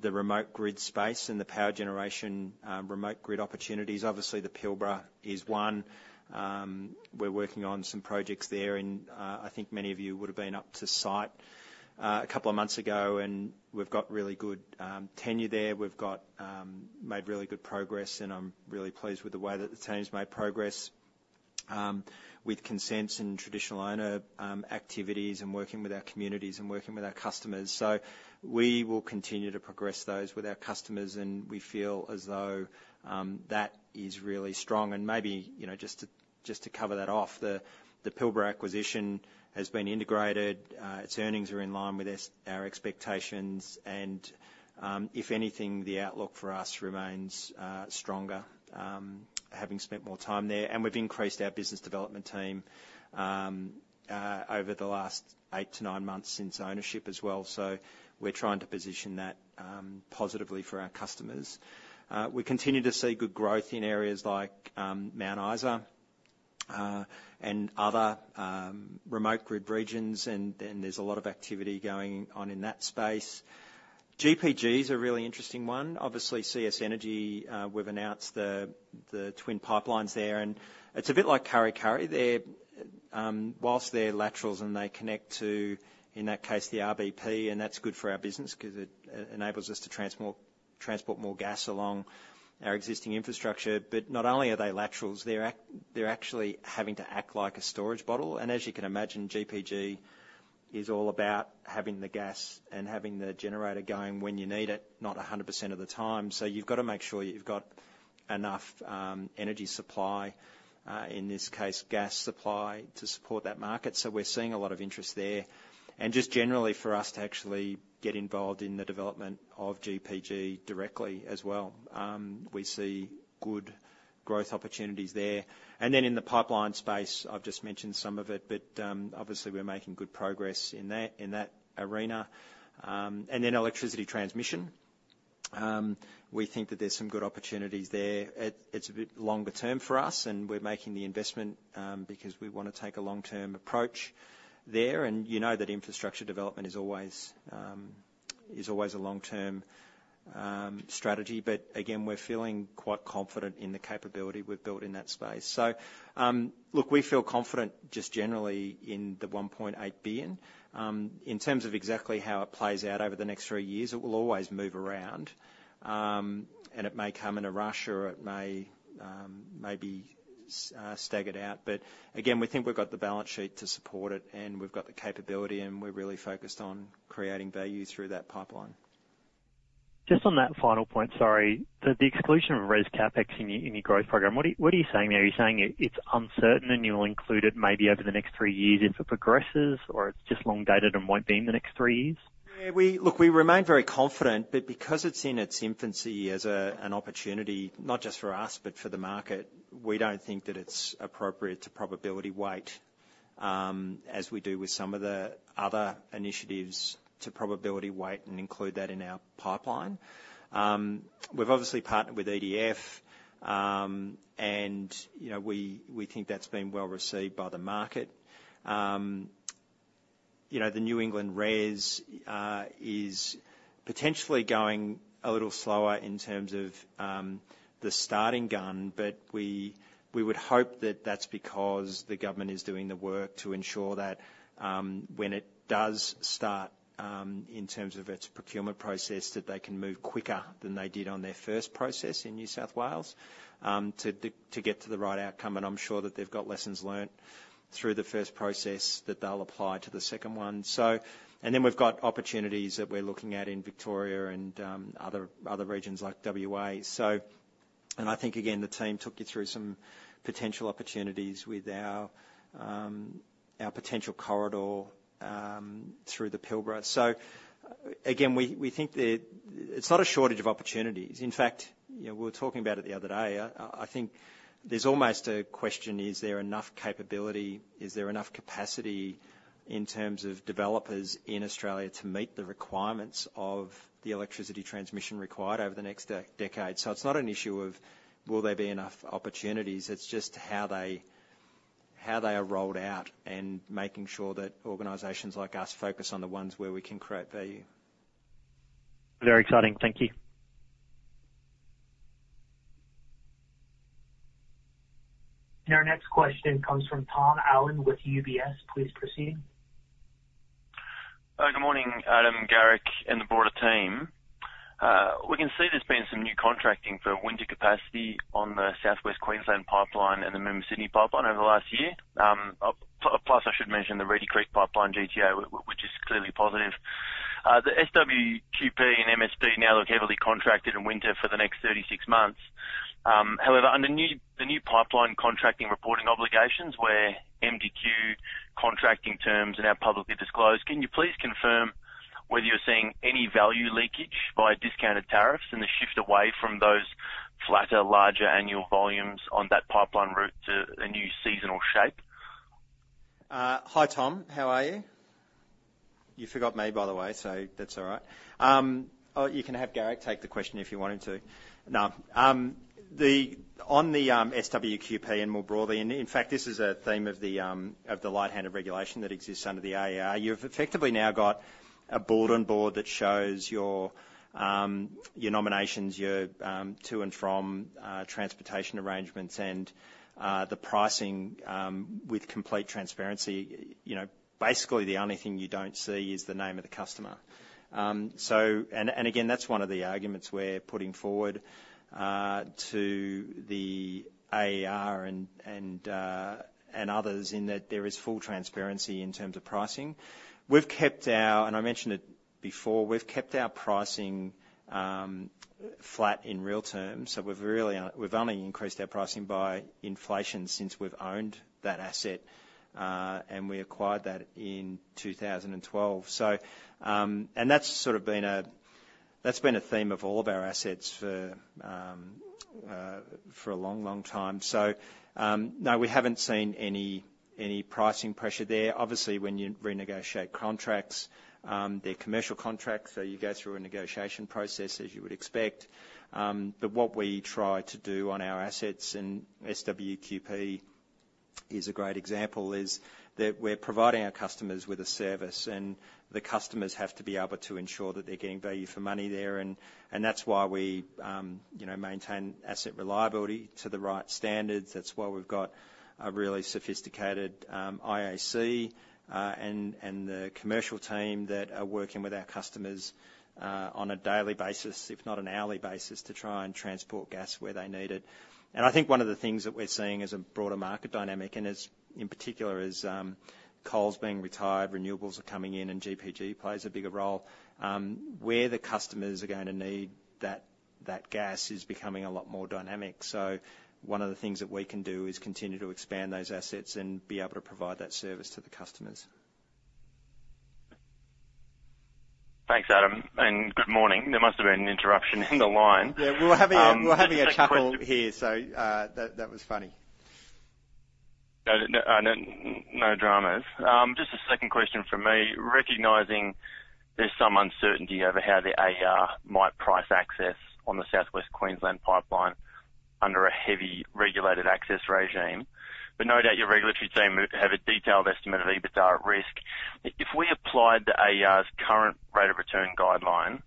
the remote grid space and the power generation, remote grid opportunities. Obviously, the Pilbara is one. We're working on some projects there, and I think many of you would have been up to site a couple of months ago, and we've got really good tenure there. We've made really good progress, and I'm really pleased with the way that the team's made progress with consents and traditional owner activities and working with our communities and working with our customers. So we will continue to progress those with our customers, and we feel as though that is really strong. And maybe, you know, just to cover that off, the Pilbara acquisition has been integrated. Its earnings are in line with our expectations, and if anything, the outlook for us remains stronger, having spent more time there, and we've increased our business development team over the last eight to nine months since ownership as well. So we're trying to position that positively for our customers. We continue to see good growth in areas like Mount Isa and other remote grid regions, and then there's a lot of activity going on in that space. GPG is a really interesting one. Obviously, CS Energy, we've announced the twin pipelines there, and it's a bit like Kurri Kurri. They're, whilst they're laterals and they connect to, in that case, the RBP, and that's good for our business because it enables us to transport more gas along our existing infrastructure. But not only are they laterals, they're actually having to act like a storage bottle. And as you can imagine, GPG is all about having the gas and having the generator going when you need it, not 100% of the time. So you've got to make sure you've got enough, energy supply, in this case, gas supply, to support that market. So we're seeing a lot of interest there. And just generally for us to actually get involved in the development of GPG directly as well, we see growth opportunities there. And then in the pipeline space, I've just mentioned some of it, but, obviously, we're making good progress in that, in that arena. And then electricity transmission. We think that there's some good opportunities there. It's a bit longer term for us, and we're making the investment, because we wanna take a long-term approach there. You know that infrastructure development is always a long-term strategy, but again, we're feeling quite confident in the capability we've built in that space. So, look, we feel confident just generally in the 1.8 billion. In terms of exactly how it plays out over the next three years, it will always move around. And it may come in a rush, or it may be staggered out. But again, we think we've got the balance sheet to support it, and we've got the capability, and we're really focused on creating value through that pipeline. Just on that final point, sorry. The exclusion of REZ CapEx in your growth program, what are you saying there? Are you saying it's uncertain, and you'll include it maybe over the next three years if it progresses, or it's just long dated and won't be in the next three years? Yeah, we look, we remain very confident, but because it's in its infancy as an opportunity, not just for us but for the market, we don't think that it's appropriate to probability weight, as we do with some of the other initiatives, to probability weight and include that in our pipeline. We've obviously partnered with EDF, and you know, we think that's been well received by the market. You know, the New England REZ is potentially going a little slower in terms of the starting gun, but we would hope that that's because the government is doing the work to ensure that, when it does start, in terms of its procurement process, that they can move quicker than they did on their first process in New South Wales, to get to the right outcome. I'm sure that they've got lessons learned through the first process that they'll apply to the second one. Then we've got opportunities that we're looking at in Victoria and other regions like WA. I think, again, the team took you through some potential opportunities with our potential corridor through the Pilbara. Again, we think that it's not a shortage of opportunities. In fact, you know, we were talking about it the other day. I think there's almost a question: Is there enough capability? Is there enough capacity in terms of developers in Australia to meet the requirements of the electricity transmission required over the next decade? So it's not an issue of will there be enough opportunities. It's just how they are rolled out and making sure that organizations like us focus on the ones where we can create value. Very exciting. Thank you. Our next question comes from Tom Allen with UBS. Please proceed. Good morning, Adam, Garrick, and the broader team. We can see there's been some new contracting for winter capacity on the South West Queensland Pipeline and the Sydney pipeline over the last year. Plus I should mention the Reedy Creek Pipeline, GTO, which is clearly positive. The SWQP and MSP now look heavily contracted in winter for the next thirty-six months. However, under the new pipeline contracting reporting obligations, where MDQ contracting terms are now publicly disclosed, can you please confirm whether you're seeing any value leakage via discounted tariffs and the shift away from those flatter, larger annual volumes on that pipeline route to a new seasonal shape? Hi, Tom. How are you? You forgot me, by the way, so that's all right. Oh, you can have Garrick take the question if you want him to. No, the, on the SWQP and more broadly, and in fact, this is a theme of the light-handed regulation that exists under the AER, you've effectively now got a board on board that shows your nominations, your to and from transportation arrangements and the pricing with complete transparency. You know, basically, the only thing you don't see is the name of the customer. So, and again, that's one of the arguments we're putting forward to the AER and others in that there is full transparency in terms of pricing. And I mentioned it before, we've kept our pricing flat in real terms, so we've really, we've only increased our pricing by inflation since we've owned that asset, and we acquired that in 2012. So, and that's sort of been a theme of all of our assets for a long, long time. So, no, we haven't seen any pricing pressure there. Obviously, when you renegotiate contracts, they're commercial contracts, so you go through a negotiation process, as you would expect. But what we try to do on our assets, and SWQP is a great example, is that we're providing our customers with a service, and the customers have to be able to ensure that they're getting value for money there. And that's why we, you know, maintain asset reliability to the right standards. That's why we've got a really sophisticated IOC, and the commercial team that are working with our customers on a daily basis, if not an hourly basis, to try and transport gas where they need it. And I think one of the things that we're seeing is a broader market dynamic, and, in particular, is coal's being retired, renewables are coming in, and GPG plays a bigger role. Where the customers are going to need that gas is becoming a lot more dynamic. So one of the things that we can do is continue to expand those assets and be able to provide that service to the customers.... Thanks, Adam, and good morning. There must have been an interruption in the line. Yeah, we're having a chuckle here, so that was funny. No, no dramas. Just a second question from me. Recognizing there's some uncertainty over how the AER might price access on the South West Queensland Pipeline under a heavily regulated access regime. But no doubt your regulatory team have a detailed estimate of EBITDA at risk. If we applied the AER's current rate of return guideline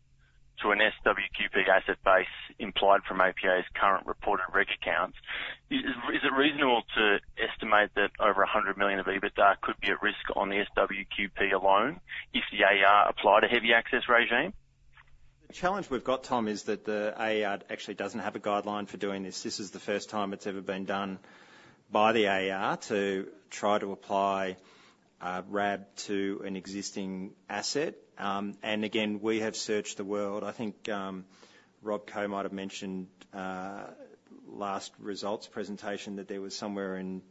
to an SWQP asset base implied from APA's current reported regulated accounts, is it reasonable to estimate that over 100 million of EBITDA could be at risk on the SWQP alone if the AER applied a heavily regulated access regime? The challenge we've got, Tom, is that the AER actually doesn't have a guideline for doing this. This is the first time it's ever been done by the AER to try to apply RAB to an existing asset. And again, we have searched the world. I think Rob Koh might have mentioned last results presentation that there was somewhere in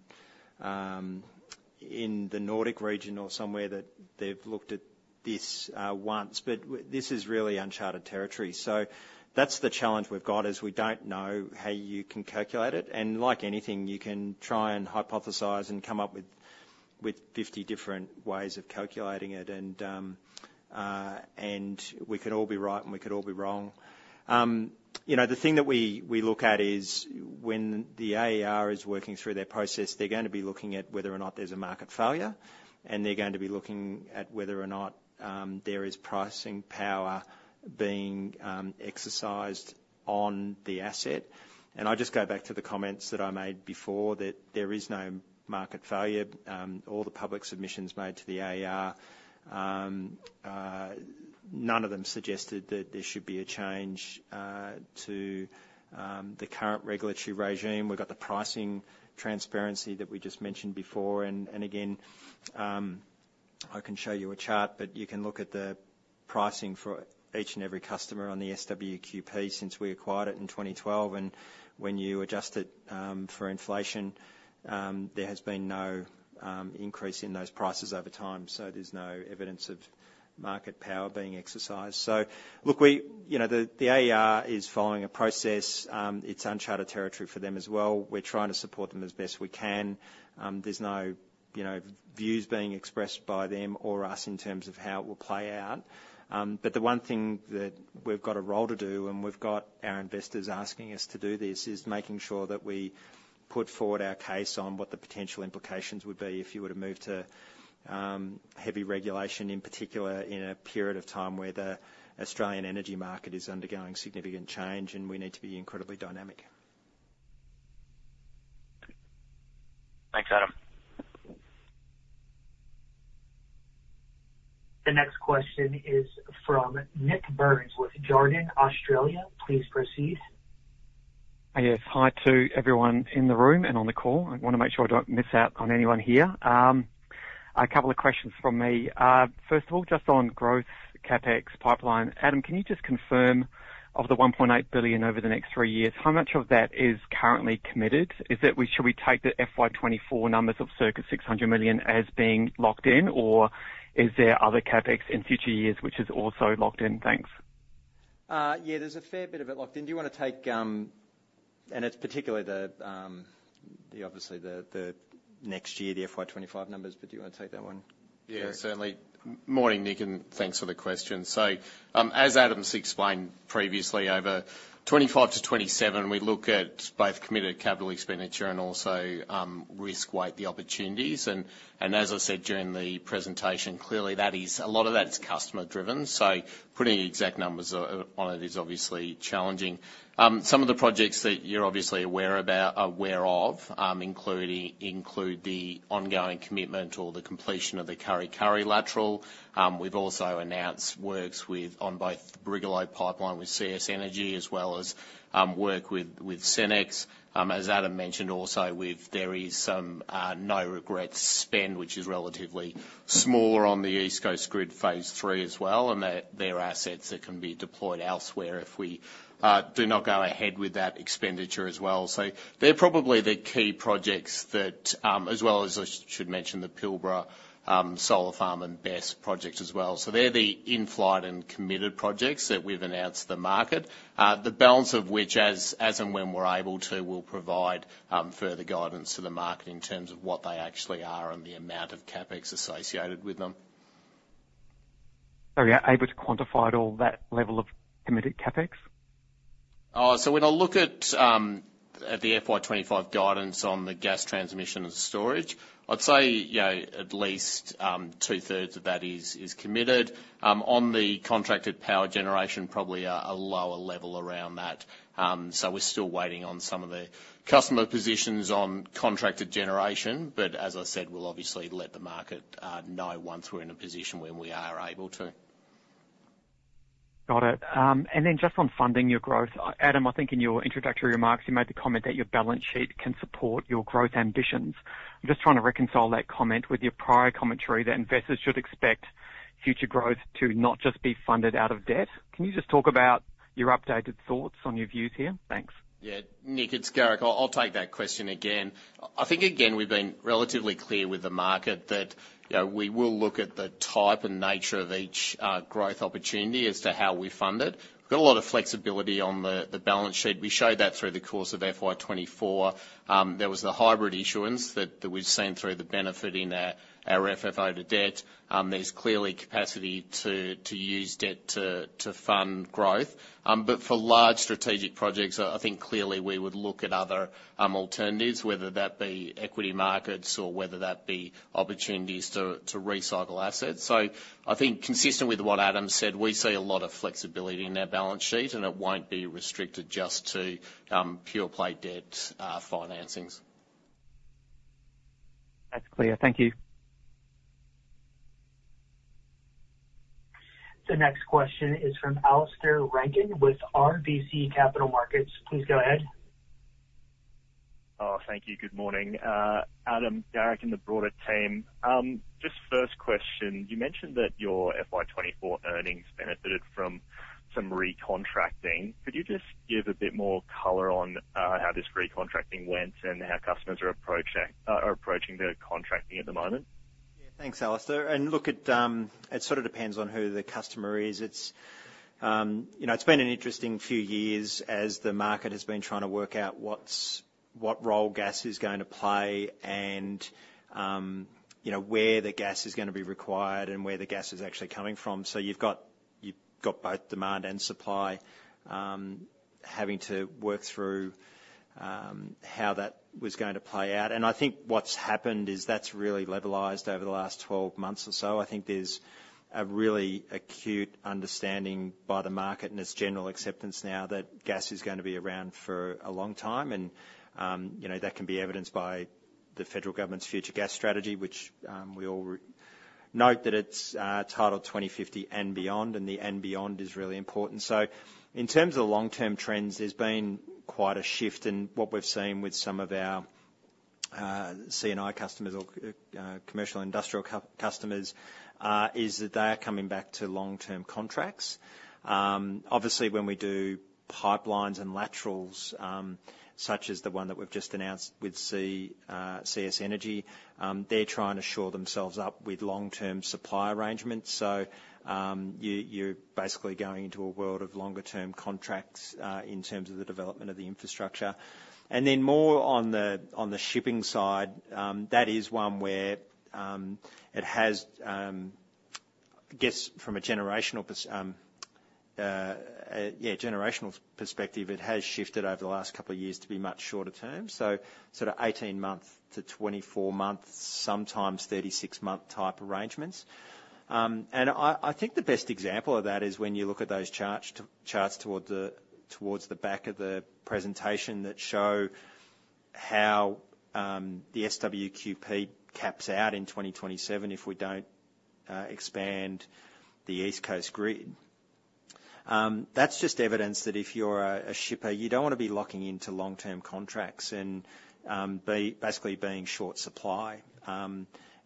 the Nordic region or somewhere that they've looked at this once. But this is really uncharted Territory. So that's the challenge we've got, is we don't know how you can calculate it. And like anything, you can try and hypothesize and come up with 50 different ways of calculating it. And we could all be right, and we could all be wrong. You know, the thing that we look at is when the AER is working through their process, they're gonna be looking at whether or not there's a market failure, and they're going to be looking at whether or not there is pricing power being exercised on the asset, and I'll just go back to the comments that I made before, that there is no market failure. All the public submissions made to the AER, none of them suggested that there should be a change to the current regulatory regime. We've got the pricing transparency that we just mentioned before, and again, I can show you a chart, but you can look at the pricing for each and every customer on the SWQP since we acquired it in twenty twelve. And when you adjust it for inflation, there has been no increase in those prices over time, so there's no evidence of market power being exercised. So look, we, you know, the AER is following a process. It's uncharted Territory for them as well. We're trying to support them as best we can. There's no, you know, views being expressed by them or us in terms of how it will play out. But the one thing that we've got a role to do, and we've got our investors asking us to do this, is making sure that we put forward our case on what the potential implications would be if you were to move to heavy regulation, in particular, in a period of time where the Australian energy market is undergoing significant change, and we need to be incredibly dynamic. Thanks, Adam. The next question is from Nik Burns with Jarden Australia. Please proceed. Yes. Hi to everyone in the room and on the call. I want to make sure I don't miss out on anyone here. A couple of questions from me. First of all, just on growth, CapEx pipeline. Adam, can you just confirm, of the 1.8 billion over the next three years, how much of that is currently committed? Should we take the FY 2024 numbers of circa 600 million as being locked in, or is there other CapEx in future years, which is also locked in? Thanks. Yeah, there's a fair bit of it locked in. Do you want to take...? And it's particularly, obviously, the next year, the FY 2025 numbers, but do you want to take that one? Yeah, certainly. Morning, Nik, and thanks for the question. So, as Adam's explained previously, over twenty-five to twenty-seven, we look at both committed capital expenditure and also, risk-weight the opportunities. And, as I said during the presentation, clearly that is, a lot of that is customer-driven, so putting exact numbers on it is obviously challenging. Some of the projects that you're obviously aware of, include the ongoing commitment or the completion of the Kurri Kurri Lateral. We've also announced works on both the Brigalow Pipeline with CS Energy, as well as, work with Senex. As Adam mentioned also, we've-- there is some no regrets spend, which is relatively smaller on the East Coast Grid Phase III as well, and they're assets that can be deployed elsewhere if we do not go ahead with that expenditure as well. So they're probably the key projects that. As well as I should mention, the Pilbara solar farm and BESS project as well. So they're the in-flight and committed projects that we've announced to the market. The balance of which, as and when we're able to, we'll provide further guidance to the market in terms of what they actually are and the amount of CapEx associated with them. So are you able to quantify at all that level of committed CapEx? So when I look at the FY 2025 guidance on the gas transmission and storage, I'd say, you know, at least two-thirds of that is committed. On the contracted power generation, probably a lower level around that. So we're still waiting on some of the customer positions on contracted generation, but as I said, we'll obviously let the market know once we're in a position where we are able to. Got it. And then just on funding your growth, Adam, I think in your introductory remarks, you made the comment that your balance sheet can support your growth ambitions. I'm just trying to reconcile that comment with your prior commentary, that investors should expect future growth to not just be funded out of debt. Can you just talk about your updated thoughts on your views here? Thanks. Yeah, Nik, it's Garrick. I'll take that question again. I think again, we've been relatively clear with the market that, you know, we will look at the type and nature of each growth opportunity as to how we fund it. We've got a lot of flexibility on the balance sheet. We showed that through the course of FY 2024. There was the hybrid issuance that we've seen through the benefit in our FFO to debt. There's clearly capacity to use debt to fund growth. But for large strategic projects, I think clearly we would look at other alternatives, whether that be equity markets or whether that be opportunities to recycle assets. So I think consistent with what Adam said, we see a lot of flexibility in our balance sheet, and it won't be restricted just to pure-play debt financings. That's clear. Thank you. The next question is from Alistair Rankin with RBC Capital Markets. Please go ahead. Oh, thank you. Good morning. Adam, Garrick, and the broader team. Just first question, you mentioned that your FY 2024 earnings benefited from some recontracting. Could you just give a bit more color on how this recontracting went and how customers are approaching their contracting at the moment? Yeah. Thanks, Alistair. And look, it sort of depends on who the customer is. It's, you know, it's been an interesting few years as the market has been trying to work out what role gas is going to play and, you know, where the gas is gonna be required and where the gas is actually coming from. So you've got both demand and supply having to work through how that was going to play out. And I think what's happened is that's really leveled over the last 12 months or so. I think there's a really acute understanding by the market, and it's general acceptance now that gas is gonna be around for a long time. You know, that can be evidenced by the federal government's Future Gas Strategy, which we all note that it's titled 2050 and beyond, and the 'and beyond' is really important, so in terms of the long-term trends, there's been quite a shift in what we've seen with some of our C&I customers or commercial and industrial customers is that they are coming back to long-term contracts. Obviously, when we do pipelines and laterals such as the one that we've just announced with CS Energy, they're trying to shore themselves up with long-term supply arrangements, so you are basically going into a world of longer-term contracts in terms of the development of the infrastructure. And then more on the shipper side, that is one where it has, I guess, from a generational perspective, it has shifted over the last couple of years to be much shorter term, so sort of eighteen-month to twenty-four-month, sometimes thirty-six-month type arrangements. And I think the best example of that is when you look at those charts toward the back of the presentation that show how the SWQP caps out in 2027 if we don't expand the East Coast grid. That's just evidence that if you're a shipper, you don't want to be locking into long-term contracts and basically being short supply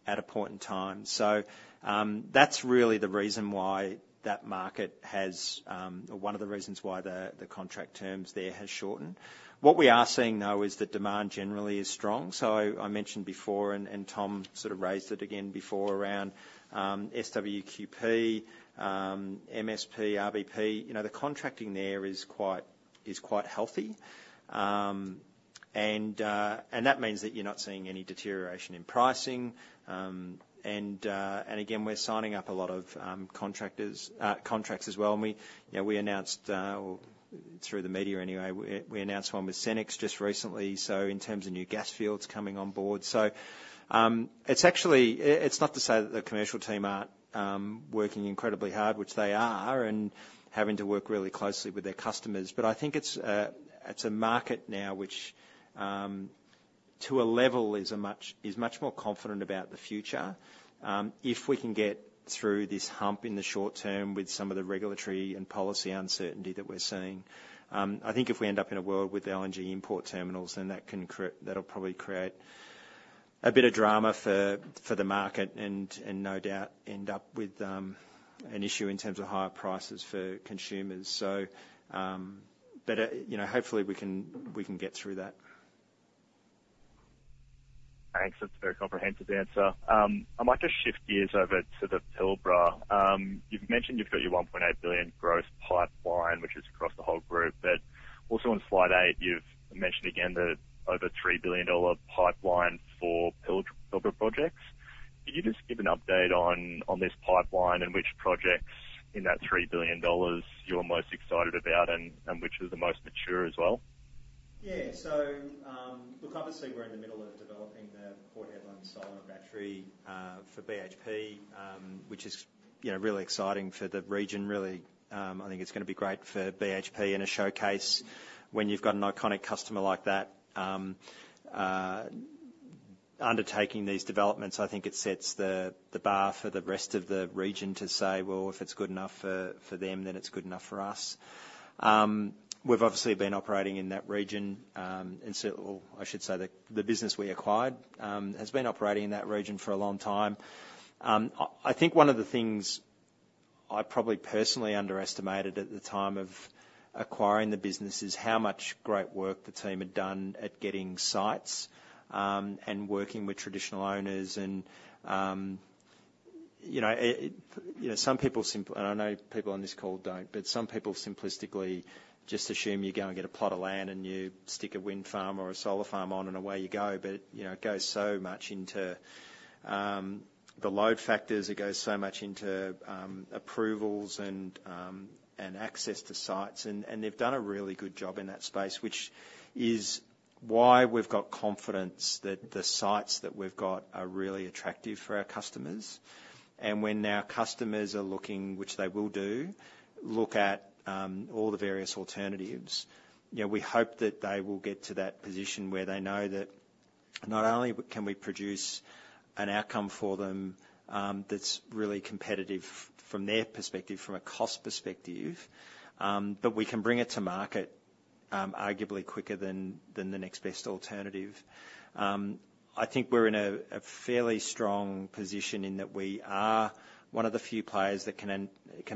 at a point in time. So that's really the reason why that market has. or one of the reasons why the contract terms there has shortened. What we are seeing, though, is that demand generally is strong. So I mentioned before, and Tom sort of raised it again before, around SWQP, MSP, RBP, you know, the contracting there is quite healthy. And that means that you're not seeing any deterioration in pricing. And again, we're signing up a lot of contractors, contracts as well. And we, you know, we announced or through the media anyway, we announced one with Senex just recently, so in terms of new gas fields coming on board. So, it's actually... It's not to say that the commercial team aren't working incredibly hard, which they are, and having to work really closely with their customers, but I think it's a market now which, to a level, is much more confident about the future. If we can get through this hump in the short term with some of the regulatory and policy uncertainty that we're seeing, I think if we end up in a world with LNG import terminals, then that'll probably create a bit of drama for the market and no doubt end up with an issue in terms of higher prices for consumers. So, but you know, hopefully we can get through that. Thanks. That's a very comprehensive answer. I might just shift gears over to the Pilbara. You've mentioned you've got your 1.8 billion growth pipeline, which is across the whole group, but also on slide eight, you've mentioned again the over 3 billion dollar pipeline for Pilbara projects. Can you just give an update on this pipeline and which projects in that 3 billion dollars you're most excited about and which are the most mature as well? Yeah. So, look, obviously, we're in the middle of developing the Port Hedland solar battery for BHP, which is, you know, really exciting for the region, really. I think it's gonna be great for BHP and a showcase. When you've got an iconic customer like that, undertaking these developments, I think it sets the bar for the rest of the region to say, "Well, if it's good enough for them, then it's good enough for us." We've obviously been operating in that region, and so... or I should say, the business we acquired has been operating in that region for a long time. I think one of the things-... I probably personally underestimated at the time of acquiring the business, is how much great work the team had done at getting sites and working with traditional owners. And you know, it you know, some people and I know people on this call don't, but some people simplistically just assume you go and get a plot of land, and you stick a wind farm or a solar farm on, and away you go. But you know, it goes so much into the load factors, it goes so much into approvals and access to sites. And they've done a really good job in that space, which is why we've got confidence that the sites that we've got are really attractive for our customers. And when our customers are looking, which they will do, look at all the various alternatives, you know, we hope that they will get to that position where they know that not only can we produce an outcome for them, that's really competitive from their perspective, from a cost perspective, but we can bring it to market, arguably quicker than the next best alternative. I think we're in a fairly strong position in that we are one of the few players that can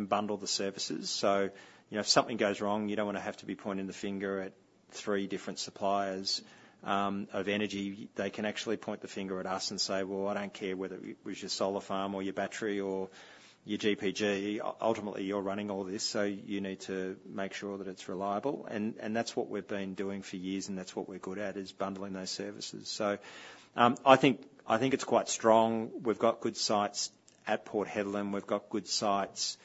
bundle the services. So, you know, if something goes wrong, you don't wanna have to be pointing the finger at three different suppliers of energy. They can actually point the finger at us and say, "Well, I don't care whether it was your solar farm, or your battery, or your GPG. Ultimately, you're running all this, so you need to make sure that it's reliable." And that's what we've been doing for years, and that's what we're good at, is bundling those services. So, I think it's quite strong. We've got good sites at Port Hedland. We've got good sites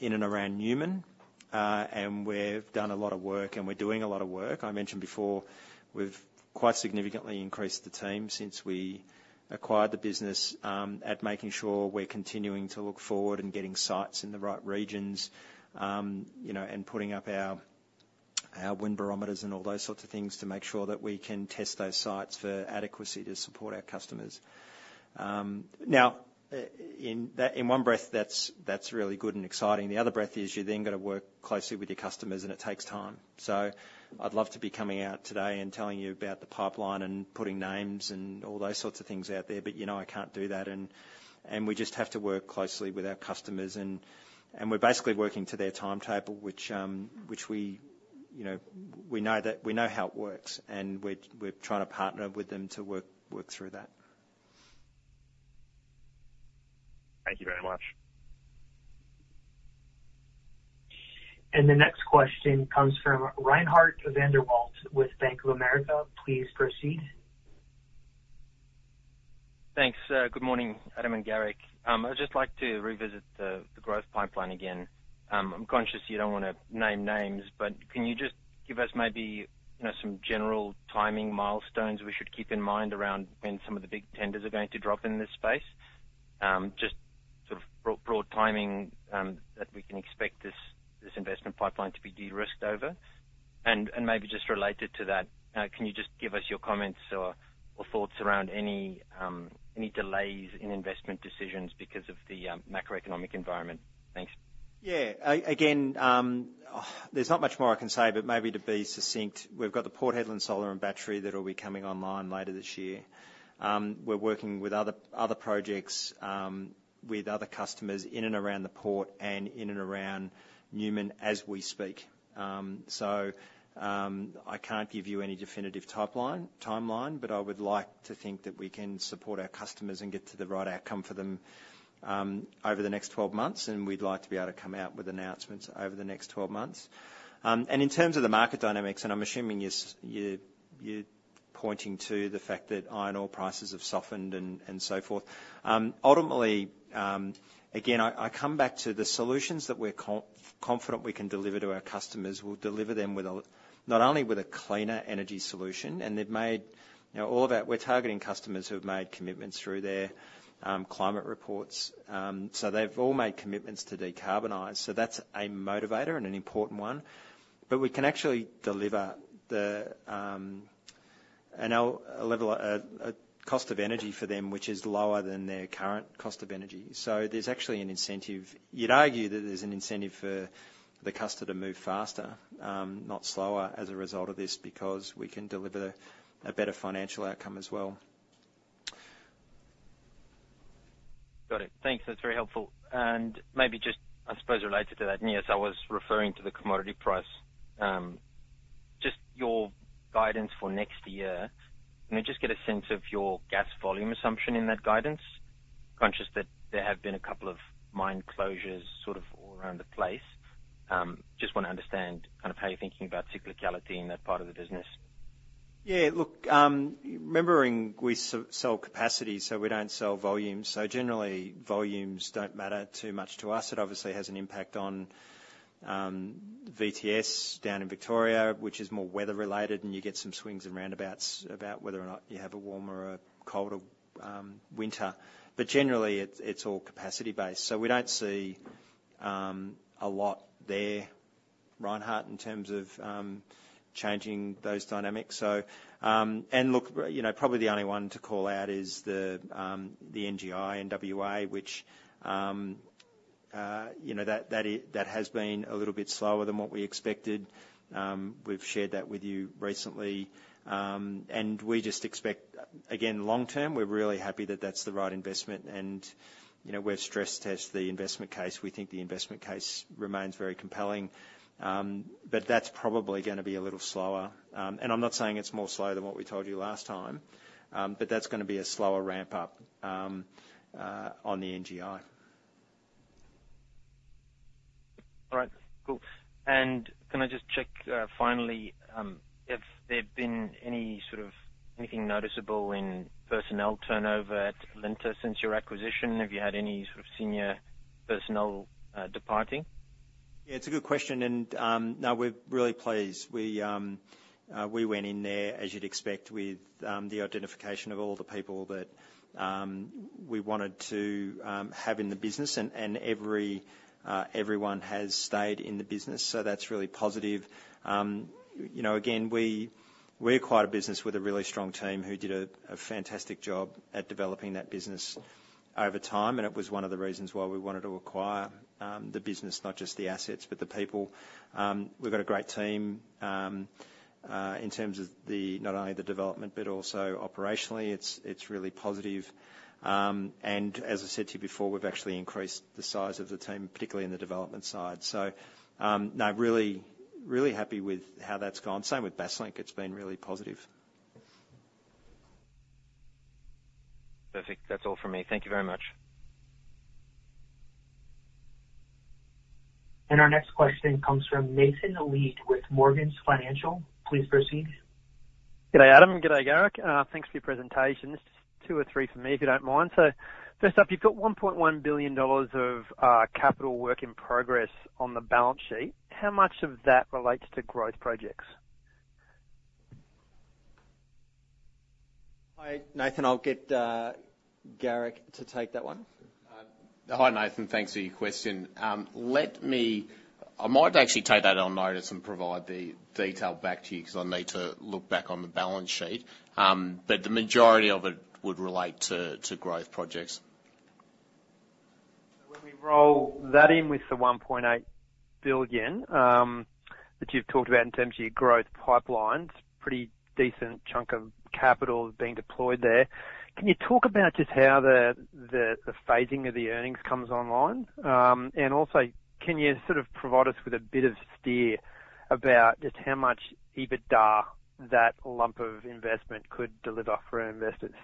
in and around Newman. And we've done a lot of work, and we're doing a lot of work. I mentioned before, we've quite significantly increased the team since we acquired the business, at making sure we're continuing to look forward and getting sites in the right regions, you know, and putting up our wind barometers and all those sorts of things to make sure that we can test those sites for adequacy to support our customers. Now, in one breath, that's really good and exciting. The other breath is you've then got to work closely with your customers, and it takes time, so I'd love to be coming out today and telling you about the pipeline and putting names and all those sorts of things out there, but you know, I can't do that, and we just have to work closely with our customers, and we're basically working to their timetable, which you know, we know how it works, and we're trying to partner with them to work through that. Thank you very much. The next question comes from Reinhardt van der Walt with Bank of America. Please proceed. Thanks, sir. Good morning, Adam and Garrick. I'd just like to revisit the growth pipeline again. I'm conscious you don't wanna name names, but can you just give us maybe, you know, some general timing milestones we should keep in mind around when some of the big tenders are going to drop in this space? Just sort of broad timing that we can expect this investment pipeline to be de-risked over. And maybe just related to that, can you just give us your comments or thoughts around any delays in investment decisions because of the macroeconomic environment? Thanks. Yeah. Again, oh, there's not much more I can say, but maybe to be succinct, we've got the Port Hedland solar and battery that will be coming online later this year. We're working with other projects with other customers in and around the port and in and around Newman as we speak. So, I can't give you any definitive timeline, but I would like to think that we can support our customers and get to the right outcome for them over the next twelve months, and we'd like to be able to come out with announcements over the next twelve months. And in terms of the market dynamics, and I'm assuming you're pointing to the fact that iron ore prices have softened and so forth. Ultimately, again, I come back to the solutions that we're confident we can deliver to our customers. We'll deliver them not only with a cleaner energy solution, and they've made, you know, all of that. We're targeting customers who have made commitments through their climate reports. So they've all made commitments to decarbonize, so that's a motivator and an important one. But we can actually deliver a level cost of energy for them, which is lower than their current cost of energy. So there's actually an incentive. You'd argue that there's an incentive for the customer to move faster, not slower as a result of this, because we can deliver a better financial outcome as well. Got it. Thanks. That's very helpful. And maybe just, I suppose, related to that, and yes, I was referring to the commodity price. Just your guidance for next year, can we just get a sense of your gas volume assumption in that guidance? Conscious that there have been a couple of mine closures sort of all around the place. Just wanna understand kind of how you're thinking about cyclicality in that part of the business. Yeah, look, remembering we sell capacity, so we don't sell volume. So generally, volumes don't matter too much to us. It obviously has an impact on VTS down in Victoria, which is more weather related, and you get some swings and roundabouts about whether or not you have a warmer or a colder winter. But generally, it's all capacity based, so we don't see a lot there, Reinhart, in terms of changing those dynamics. So, and look, you know, probably the only one to call out is the NGI in WA, which you know, that has been a little bit slower than what we expected. We've shared that with you recently. And we just expect, again, long term, we're really happy that that's the right investment. You know, we've stress-tested the investment case. We think the investment case remains very compelling, but that's probably gonna be a little slower. I'm not saying it's more slow than what we told you last time, but that's gonna be a slower ramp up on the NGI. All right, cool, and can I just check, finally, if there have been any sort of anything noticeable in personnel turnover at Alinta since your acquisition? Have you had any sort of senior personnel, departing? Yeah, it's a good question, and now we're really pleased. We went in there, as you'd expect, with the identification of all the people that we wanted to have in the business, and everyone has stayed in the business, so that's really positive. You know, again, we acquired a business with a really strong team who did a fantastic job at developing that business over time, and it was one of the reasons why we wanted to acquire the business, not just the assets, but the people. We've got a great team in terms of not only the development but also operationally, it's really positive. And as I said to you before, we've actually increased the size of the team, particularly in the development side. So, now I'm really, really happy with how that's gone. Same with Basslink. It's been really positive. Perfect. That's all for me. Thank you very much. Our next question comes from Nathan Lead with Morgans Financial. Please proceed. G'day, Adam. G'day, Garrick. Thanks for your presentation. Just two or three from me, if you don't mind. So first up, you've got 1.1 billion dollars of capital work in progress on the balance sheet. How much of that relates to growth projects? Hi, Nathan. I'll get Garrick to take that one. Hi, Nathan. Thanks for your question. I might actually take that on notice and provide the detail back to you, because I need to look back on the balance sheet. But the majority of it would relate to growth projects. So when we roll that in with the 1.8 billion that you've talked about in terms of your growth pipelines, pretty decent chunk of capital is being deployed there. Can you talk about just how the phasing of the earnings comes online? And also, can you sort of provide us with a bit of steer about just how much EBITDA that lump of investment could deliver for our investors?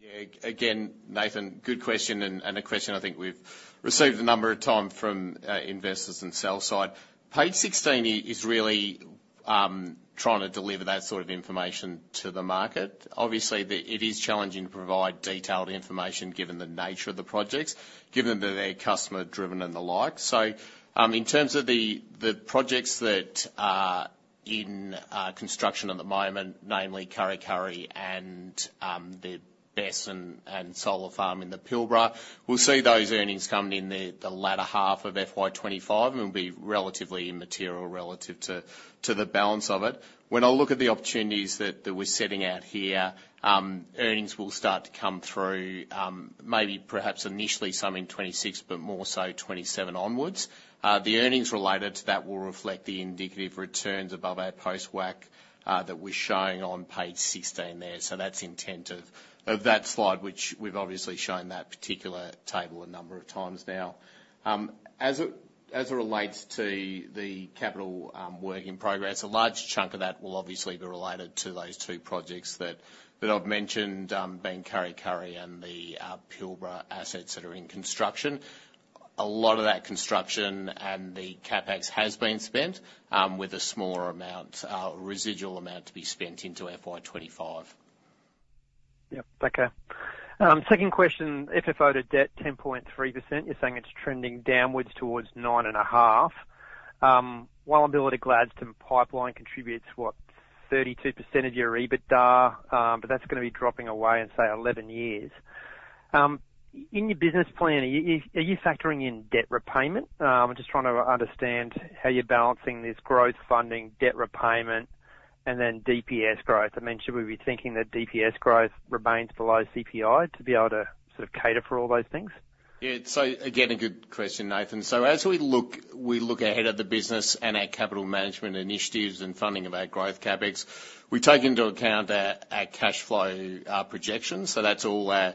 Yeah, again, Nathan, good question, and a question I think we've received a number of times from investors and sales side. Page sixteen is really trying to deliver that sort of information to the market. Obviously, it is challenging to provide detailed information, given the nature of the projects, given that they're customer driven and the like. So, in terms of the projects that are in construction at the moment, namely Kurri Kurri and the BESS and solar farm in the Pilbara, we'll see those earnings coming in the latter half of FY25, and will be relatively immaterial relative to the balance of it. When I look at the opportunities that we're setting out here, earnings will start to come through, maybe perhaps initially some in 2026, but more so 2027 onwards. The earnings related to that will reflect the indicative returns above our post WACC, that we're showing on page 16 there. So that's the intent of that slide, which we've obviously shown that particular table a number of times now. As it relates to the capital work in progress, a large chunk of that will obviously be related to those two projects that I've mentioned, being Kurri Kurri and the Pilbara assets that are in construction. A lot of that construction and the CapEx has been spent, with a smaller amount, residual amount to be spent into FY 2025. Yep. Okay. Second question, FFO to debt, 10.3%. You're saying it's trending downwards towards 9.5. Wallumbilla to Gladstone Pipeline contributes, what? 32% of your EBITDA, but that's gonna be dropping away in, say, 11 years. In your business plan, are you, are you factoring in debt repayment? I'm just trying to understand how you're balancing this growth funding, debt repayment, and then DPS growth. I mean, should we be thinking that DPS growth remains below CPI to be able to sort of cater for all those things? Yeah. So again, a good question, Nathan. So as we look ahead at the business and our capital management initiatives and funding of our growth CapEx, we take into account our cash flow projections. So that's all our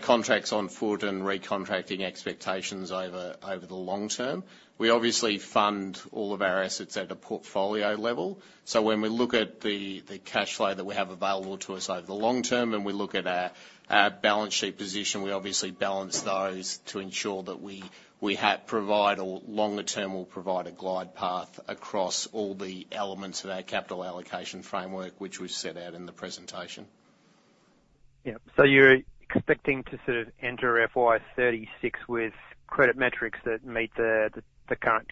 contracts on foot and recontracting expectations over the long term. We obviously fund all of our assets at a portfolio level. So when we look at the cash flow that we have available to us over the long term, and we look at our balance sheet position, we obviously balance those to ensure that we have provide a longer term or provide a glide path across all the elements of our capital allocation framework, which we've set out in the presentation. Yeah. So you're expecting to sort of enter FY36 with credit metrics that meet the current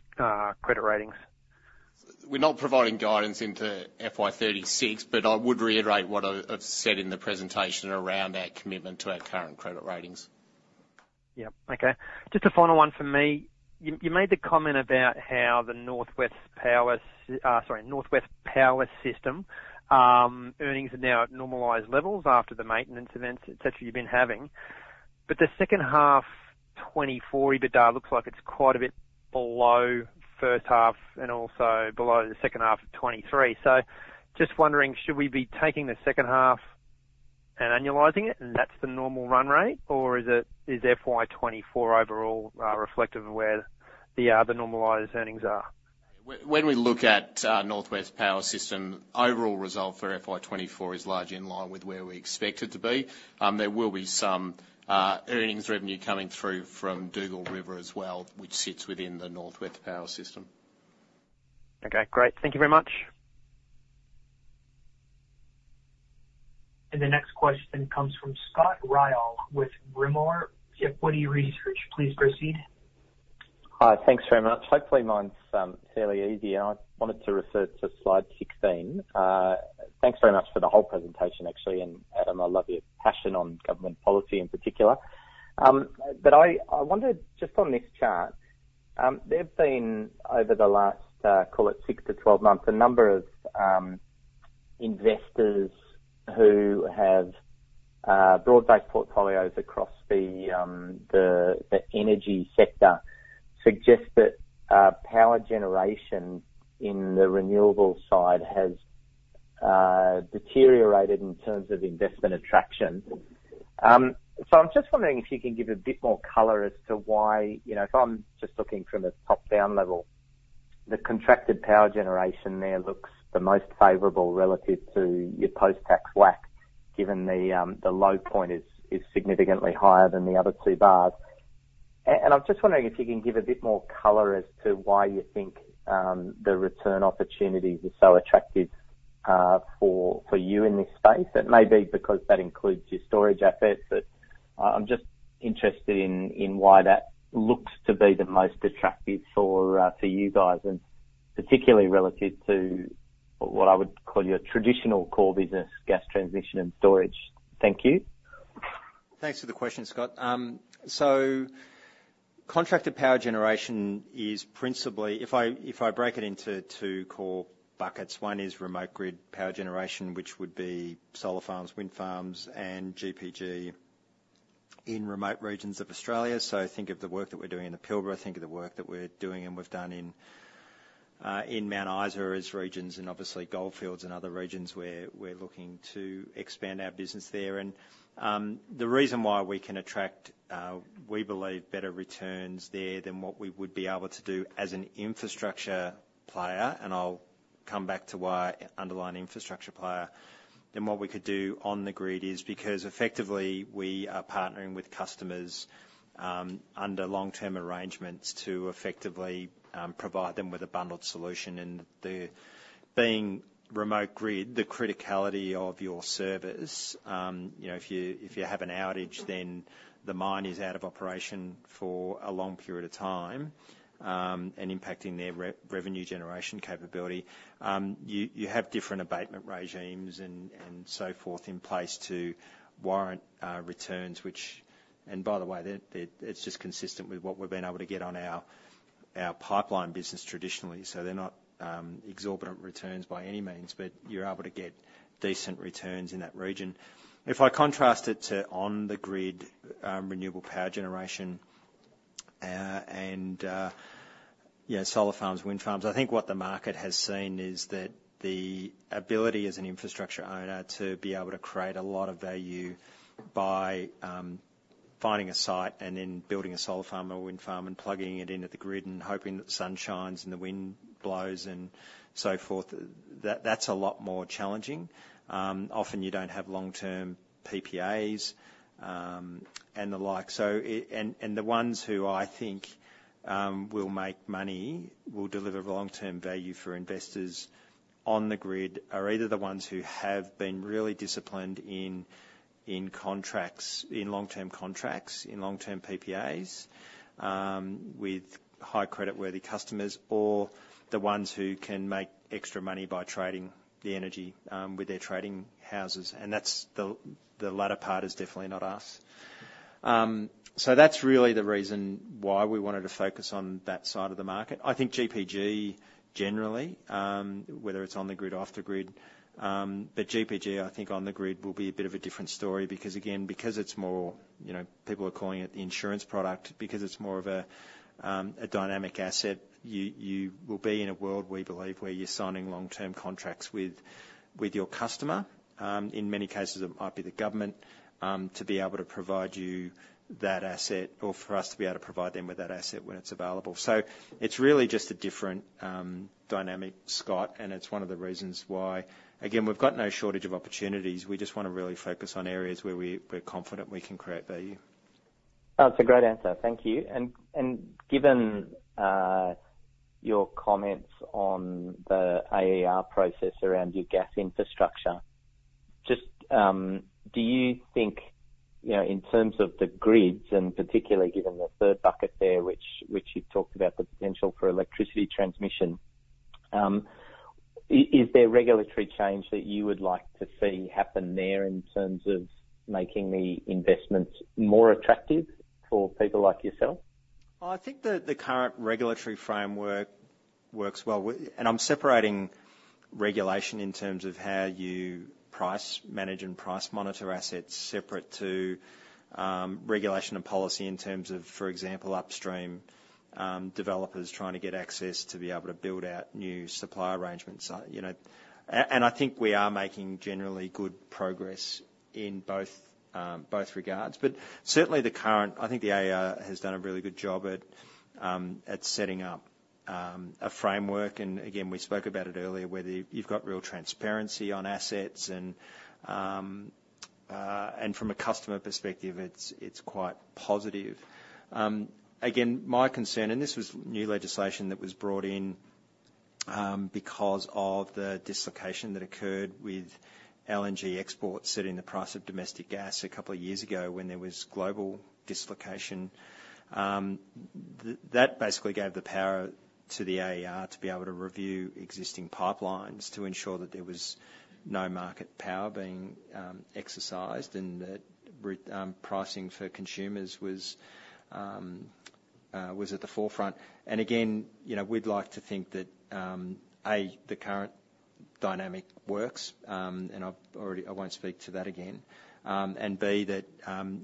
credit ratings? We're not providing guidance into FY36, but I would reiterate what I've said in the presentation around our commitment to our current credit ratings. Yeah. Okay. Just a final one for me. You made the comment about how the North West Power System earnings are now at normalized levels after the maintenance events, et cetera, you've been having. But the second half 2024, the data looks like it's quite a bit below first half and also below the second half of 2023. So just wondering, should we be taking the second half and annualizing it, and that's the normal run rate? Or is FY 2024 overall reflective of where the normalized earnings are? When we look at North West Power System, overall result for FY 2024 is largely in line with where we expect it to be. There will be some earnings revenue coming through from Dugald River as well, which sits within the North West Power System. Okay, great. Thank you very much. The next question comes from Scott Ryall with Rimor Equity Research. Please proceed. Hi, thanks very much. Hopefully, mine's fairly easy, and I wanted to refer to slide 16. Thanks very much for the whole presentation, actually, and Adam, I love your passion on government policy in particular. But I wonder, just on this chart, there have been, over the last call it six to 12 months, a number of investors who have broad-based portfolios across the energy sector suggest that power generation in the renewable side has deteriorated in terms of investment attraction. So I'm just wondering if you can give a bit more color as to why. You know, if I'm just looking from a top-down level, the contracted power generation there looks the most favorable relative to your post-tax WACC, given the low point is significantly higher than the other two bars. And I'm just wondering if you can give a bit more color as to why you think the return opportunities are so attractive for you in this space. It may be because that includes your storage assets, but I'm just interested in why that looks to be the most attractive for you guys, and particularly relative to what I would call your traditional core business, gas transmission, and storage. Thank you. Thanks for the question, Scott. So contracted power generation is principally, if I break it into two core buckets, one is remote grid power generation, which would be solar farms, wind farms, and GPG in remote regions of Australia. So think of the work that we're doing in the Pilbara, think of the work that we're doing and we've done in in Mount Isa, its regions, and obviously Goldfields and other regions where we're looking to expand our business there. And the reason why we can attract, we believe, better returns there than what we would be able to do as an infrastructure player, and I'll come back to why underlying infrastructure player, than what we could do on the grid, is because effectively we are partnering with customers under long-term arrangements to effectively provide them with a bundled solution. Being remote grid, the criticality of your service, you know, if you have an outage, then the mine is out of operation for a long period of time, and impacting their revenue generation capability. You have different abatement regimes and so forth in place to warrant returns, which, and by the way, it's just consistent with what we've been able to get on our pipeline business traditionally. They're not exorbitant returns by any means, but you're able to get decent returns in that region. If I contrast it to on-the-grid renewable power generation, and solar farms, wind farms, I think what the market has seen is that the ability as an infrastructure owner to be able to create a lot of value by finding a site and then building a solar farm or wind farm and plugging it into the grid and hoping that the sun shines and the wind blows and so forth, that's a lot more challenging. Often you don't have long-term PPAs, and the like, so it... The ones who I think will make money, will deliver long-term value for investors on the grid, are either the ones who have been really disciplined in contracts, in long-term contracts, in long-term PPAs, with high creditworthy customers, or the ones who can make extra money by trading the energy, with their trading houses. That's the latter part is definitely not us. That's really the reason why we wanted to focus on that side of the market. I think GPG, generally, whether it's on the grid, off the grid, but GPG, I think on the grid will be a bit of a different story because again, because it's more, you know, people are calling it the insurance product, because it's more of a, a dynamic asset, you, you will be in a world, we believe, where you're signing long-term contracts with, with your customer, in many cases it might be the government, to be able to provide you that asset, or for us to be able to provide them with that asset when it's available. So it's really just a different, dynamic, Scott, and it's one of the reasons why, again, we've got no shortage of opportunities. We just wanna really focus on areas where we're confident we can create value. That's a great answer. Thank you. And given your comments on the AER process around your gas infrastructure, just do you think, you know, in terms of the grids, and particularly given the third bucket there, which you talked about the potential for electricity transmission, is there regulatory change that you would like to see happen there in terms of making the investments more attractive for people like yourself? I think the current regulatory framework works well with regulation in terms of how you price, manage, and price monitor assets separate to regulation and policy in terms of, for example, upstream developers trying to get access to be able to build out new supply arrangements. You know, I think we are making generally good progress in both regards, but certainly the current. I think the AER has done a really good job at setting up a framework. We spoke about it earlier, where you've got real transparency on assets, and from a customer perspective, it's quite positive. Again, my concern, and this was new legislation that was brought in because of the dislocation that occurred with LNG exports setting the price of domestic gas a couple of years ago when there was global dislocation. That basically gave the power to the AER to be able to review existing pipelines to ensure that there was no market power being exercised, and that re-pricing for consumers was at the forefront. And again, you know, we'd like to think that A, the current dynamic works, and I've already... I won't speak to that again. And B, that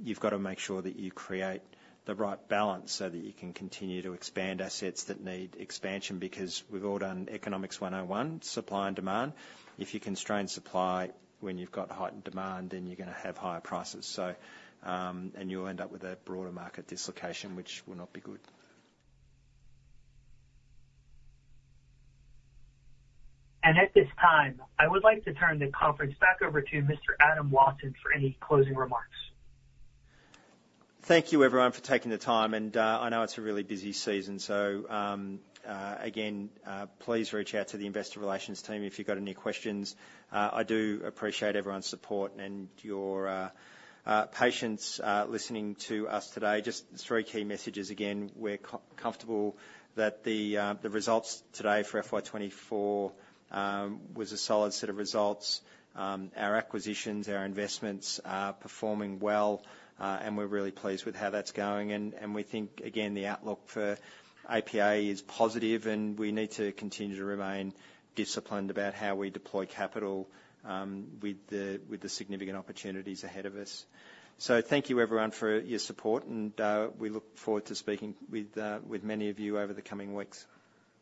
you've got to make sure that you create the right balance so that you can continue to expand assets that need expansion, because we've all done Economics 101, supply and demand. If you constrain supply when you've got heightened demand, then you're gonna have higher prices, and you'll end up with a broader market dislocation, which will not be good. At this time, I would like to turn the conference back over to Mr. Adam Watson for any closing remarks. Thank you, everyone, for taking the time, and I know it's a really busy season, so again, please reach out to the investor relations team if you've got any questions. I do appreciate everyone's support and your patience listening to us today. Just the three key messages: again, we're comfortable that the results today for FY 2024 was a solid set of results. Our acquisitions, our investments are performing well, and we're really pleased with how that's going, and we think, again, the outlook for APA is positive, and we need to continue to remain disciplined about how we deploy capital, with the significant opportunities ahead of us, so thank you, everyone, for your support, and we look forward to speaking with many of you over the coming weeks.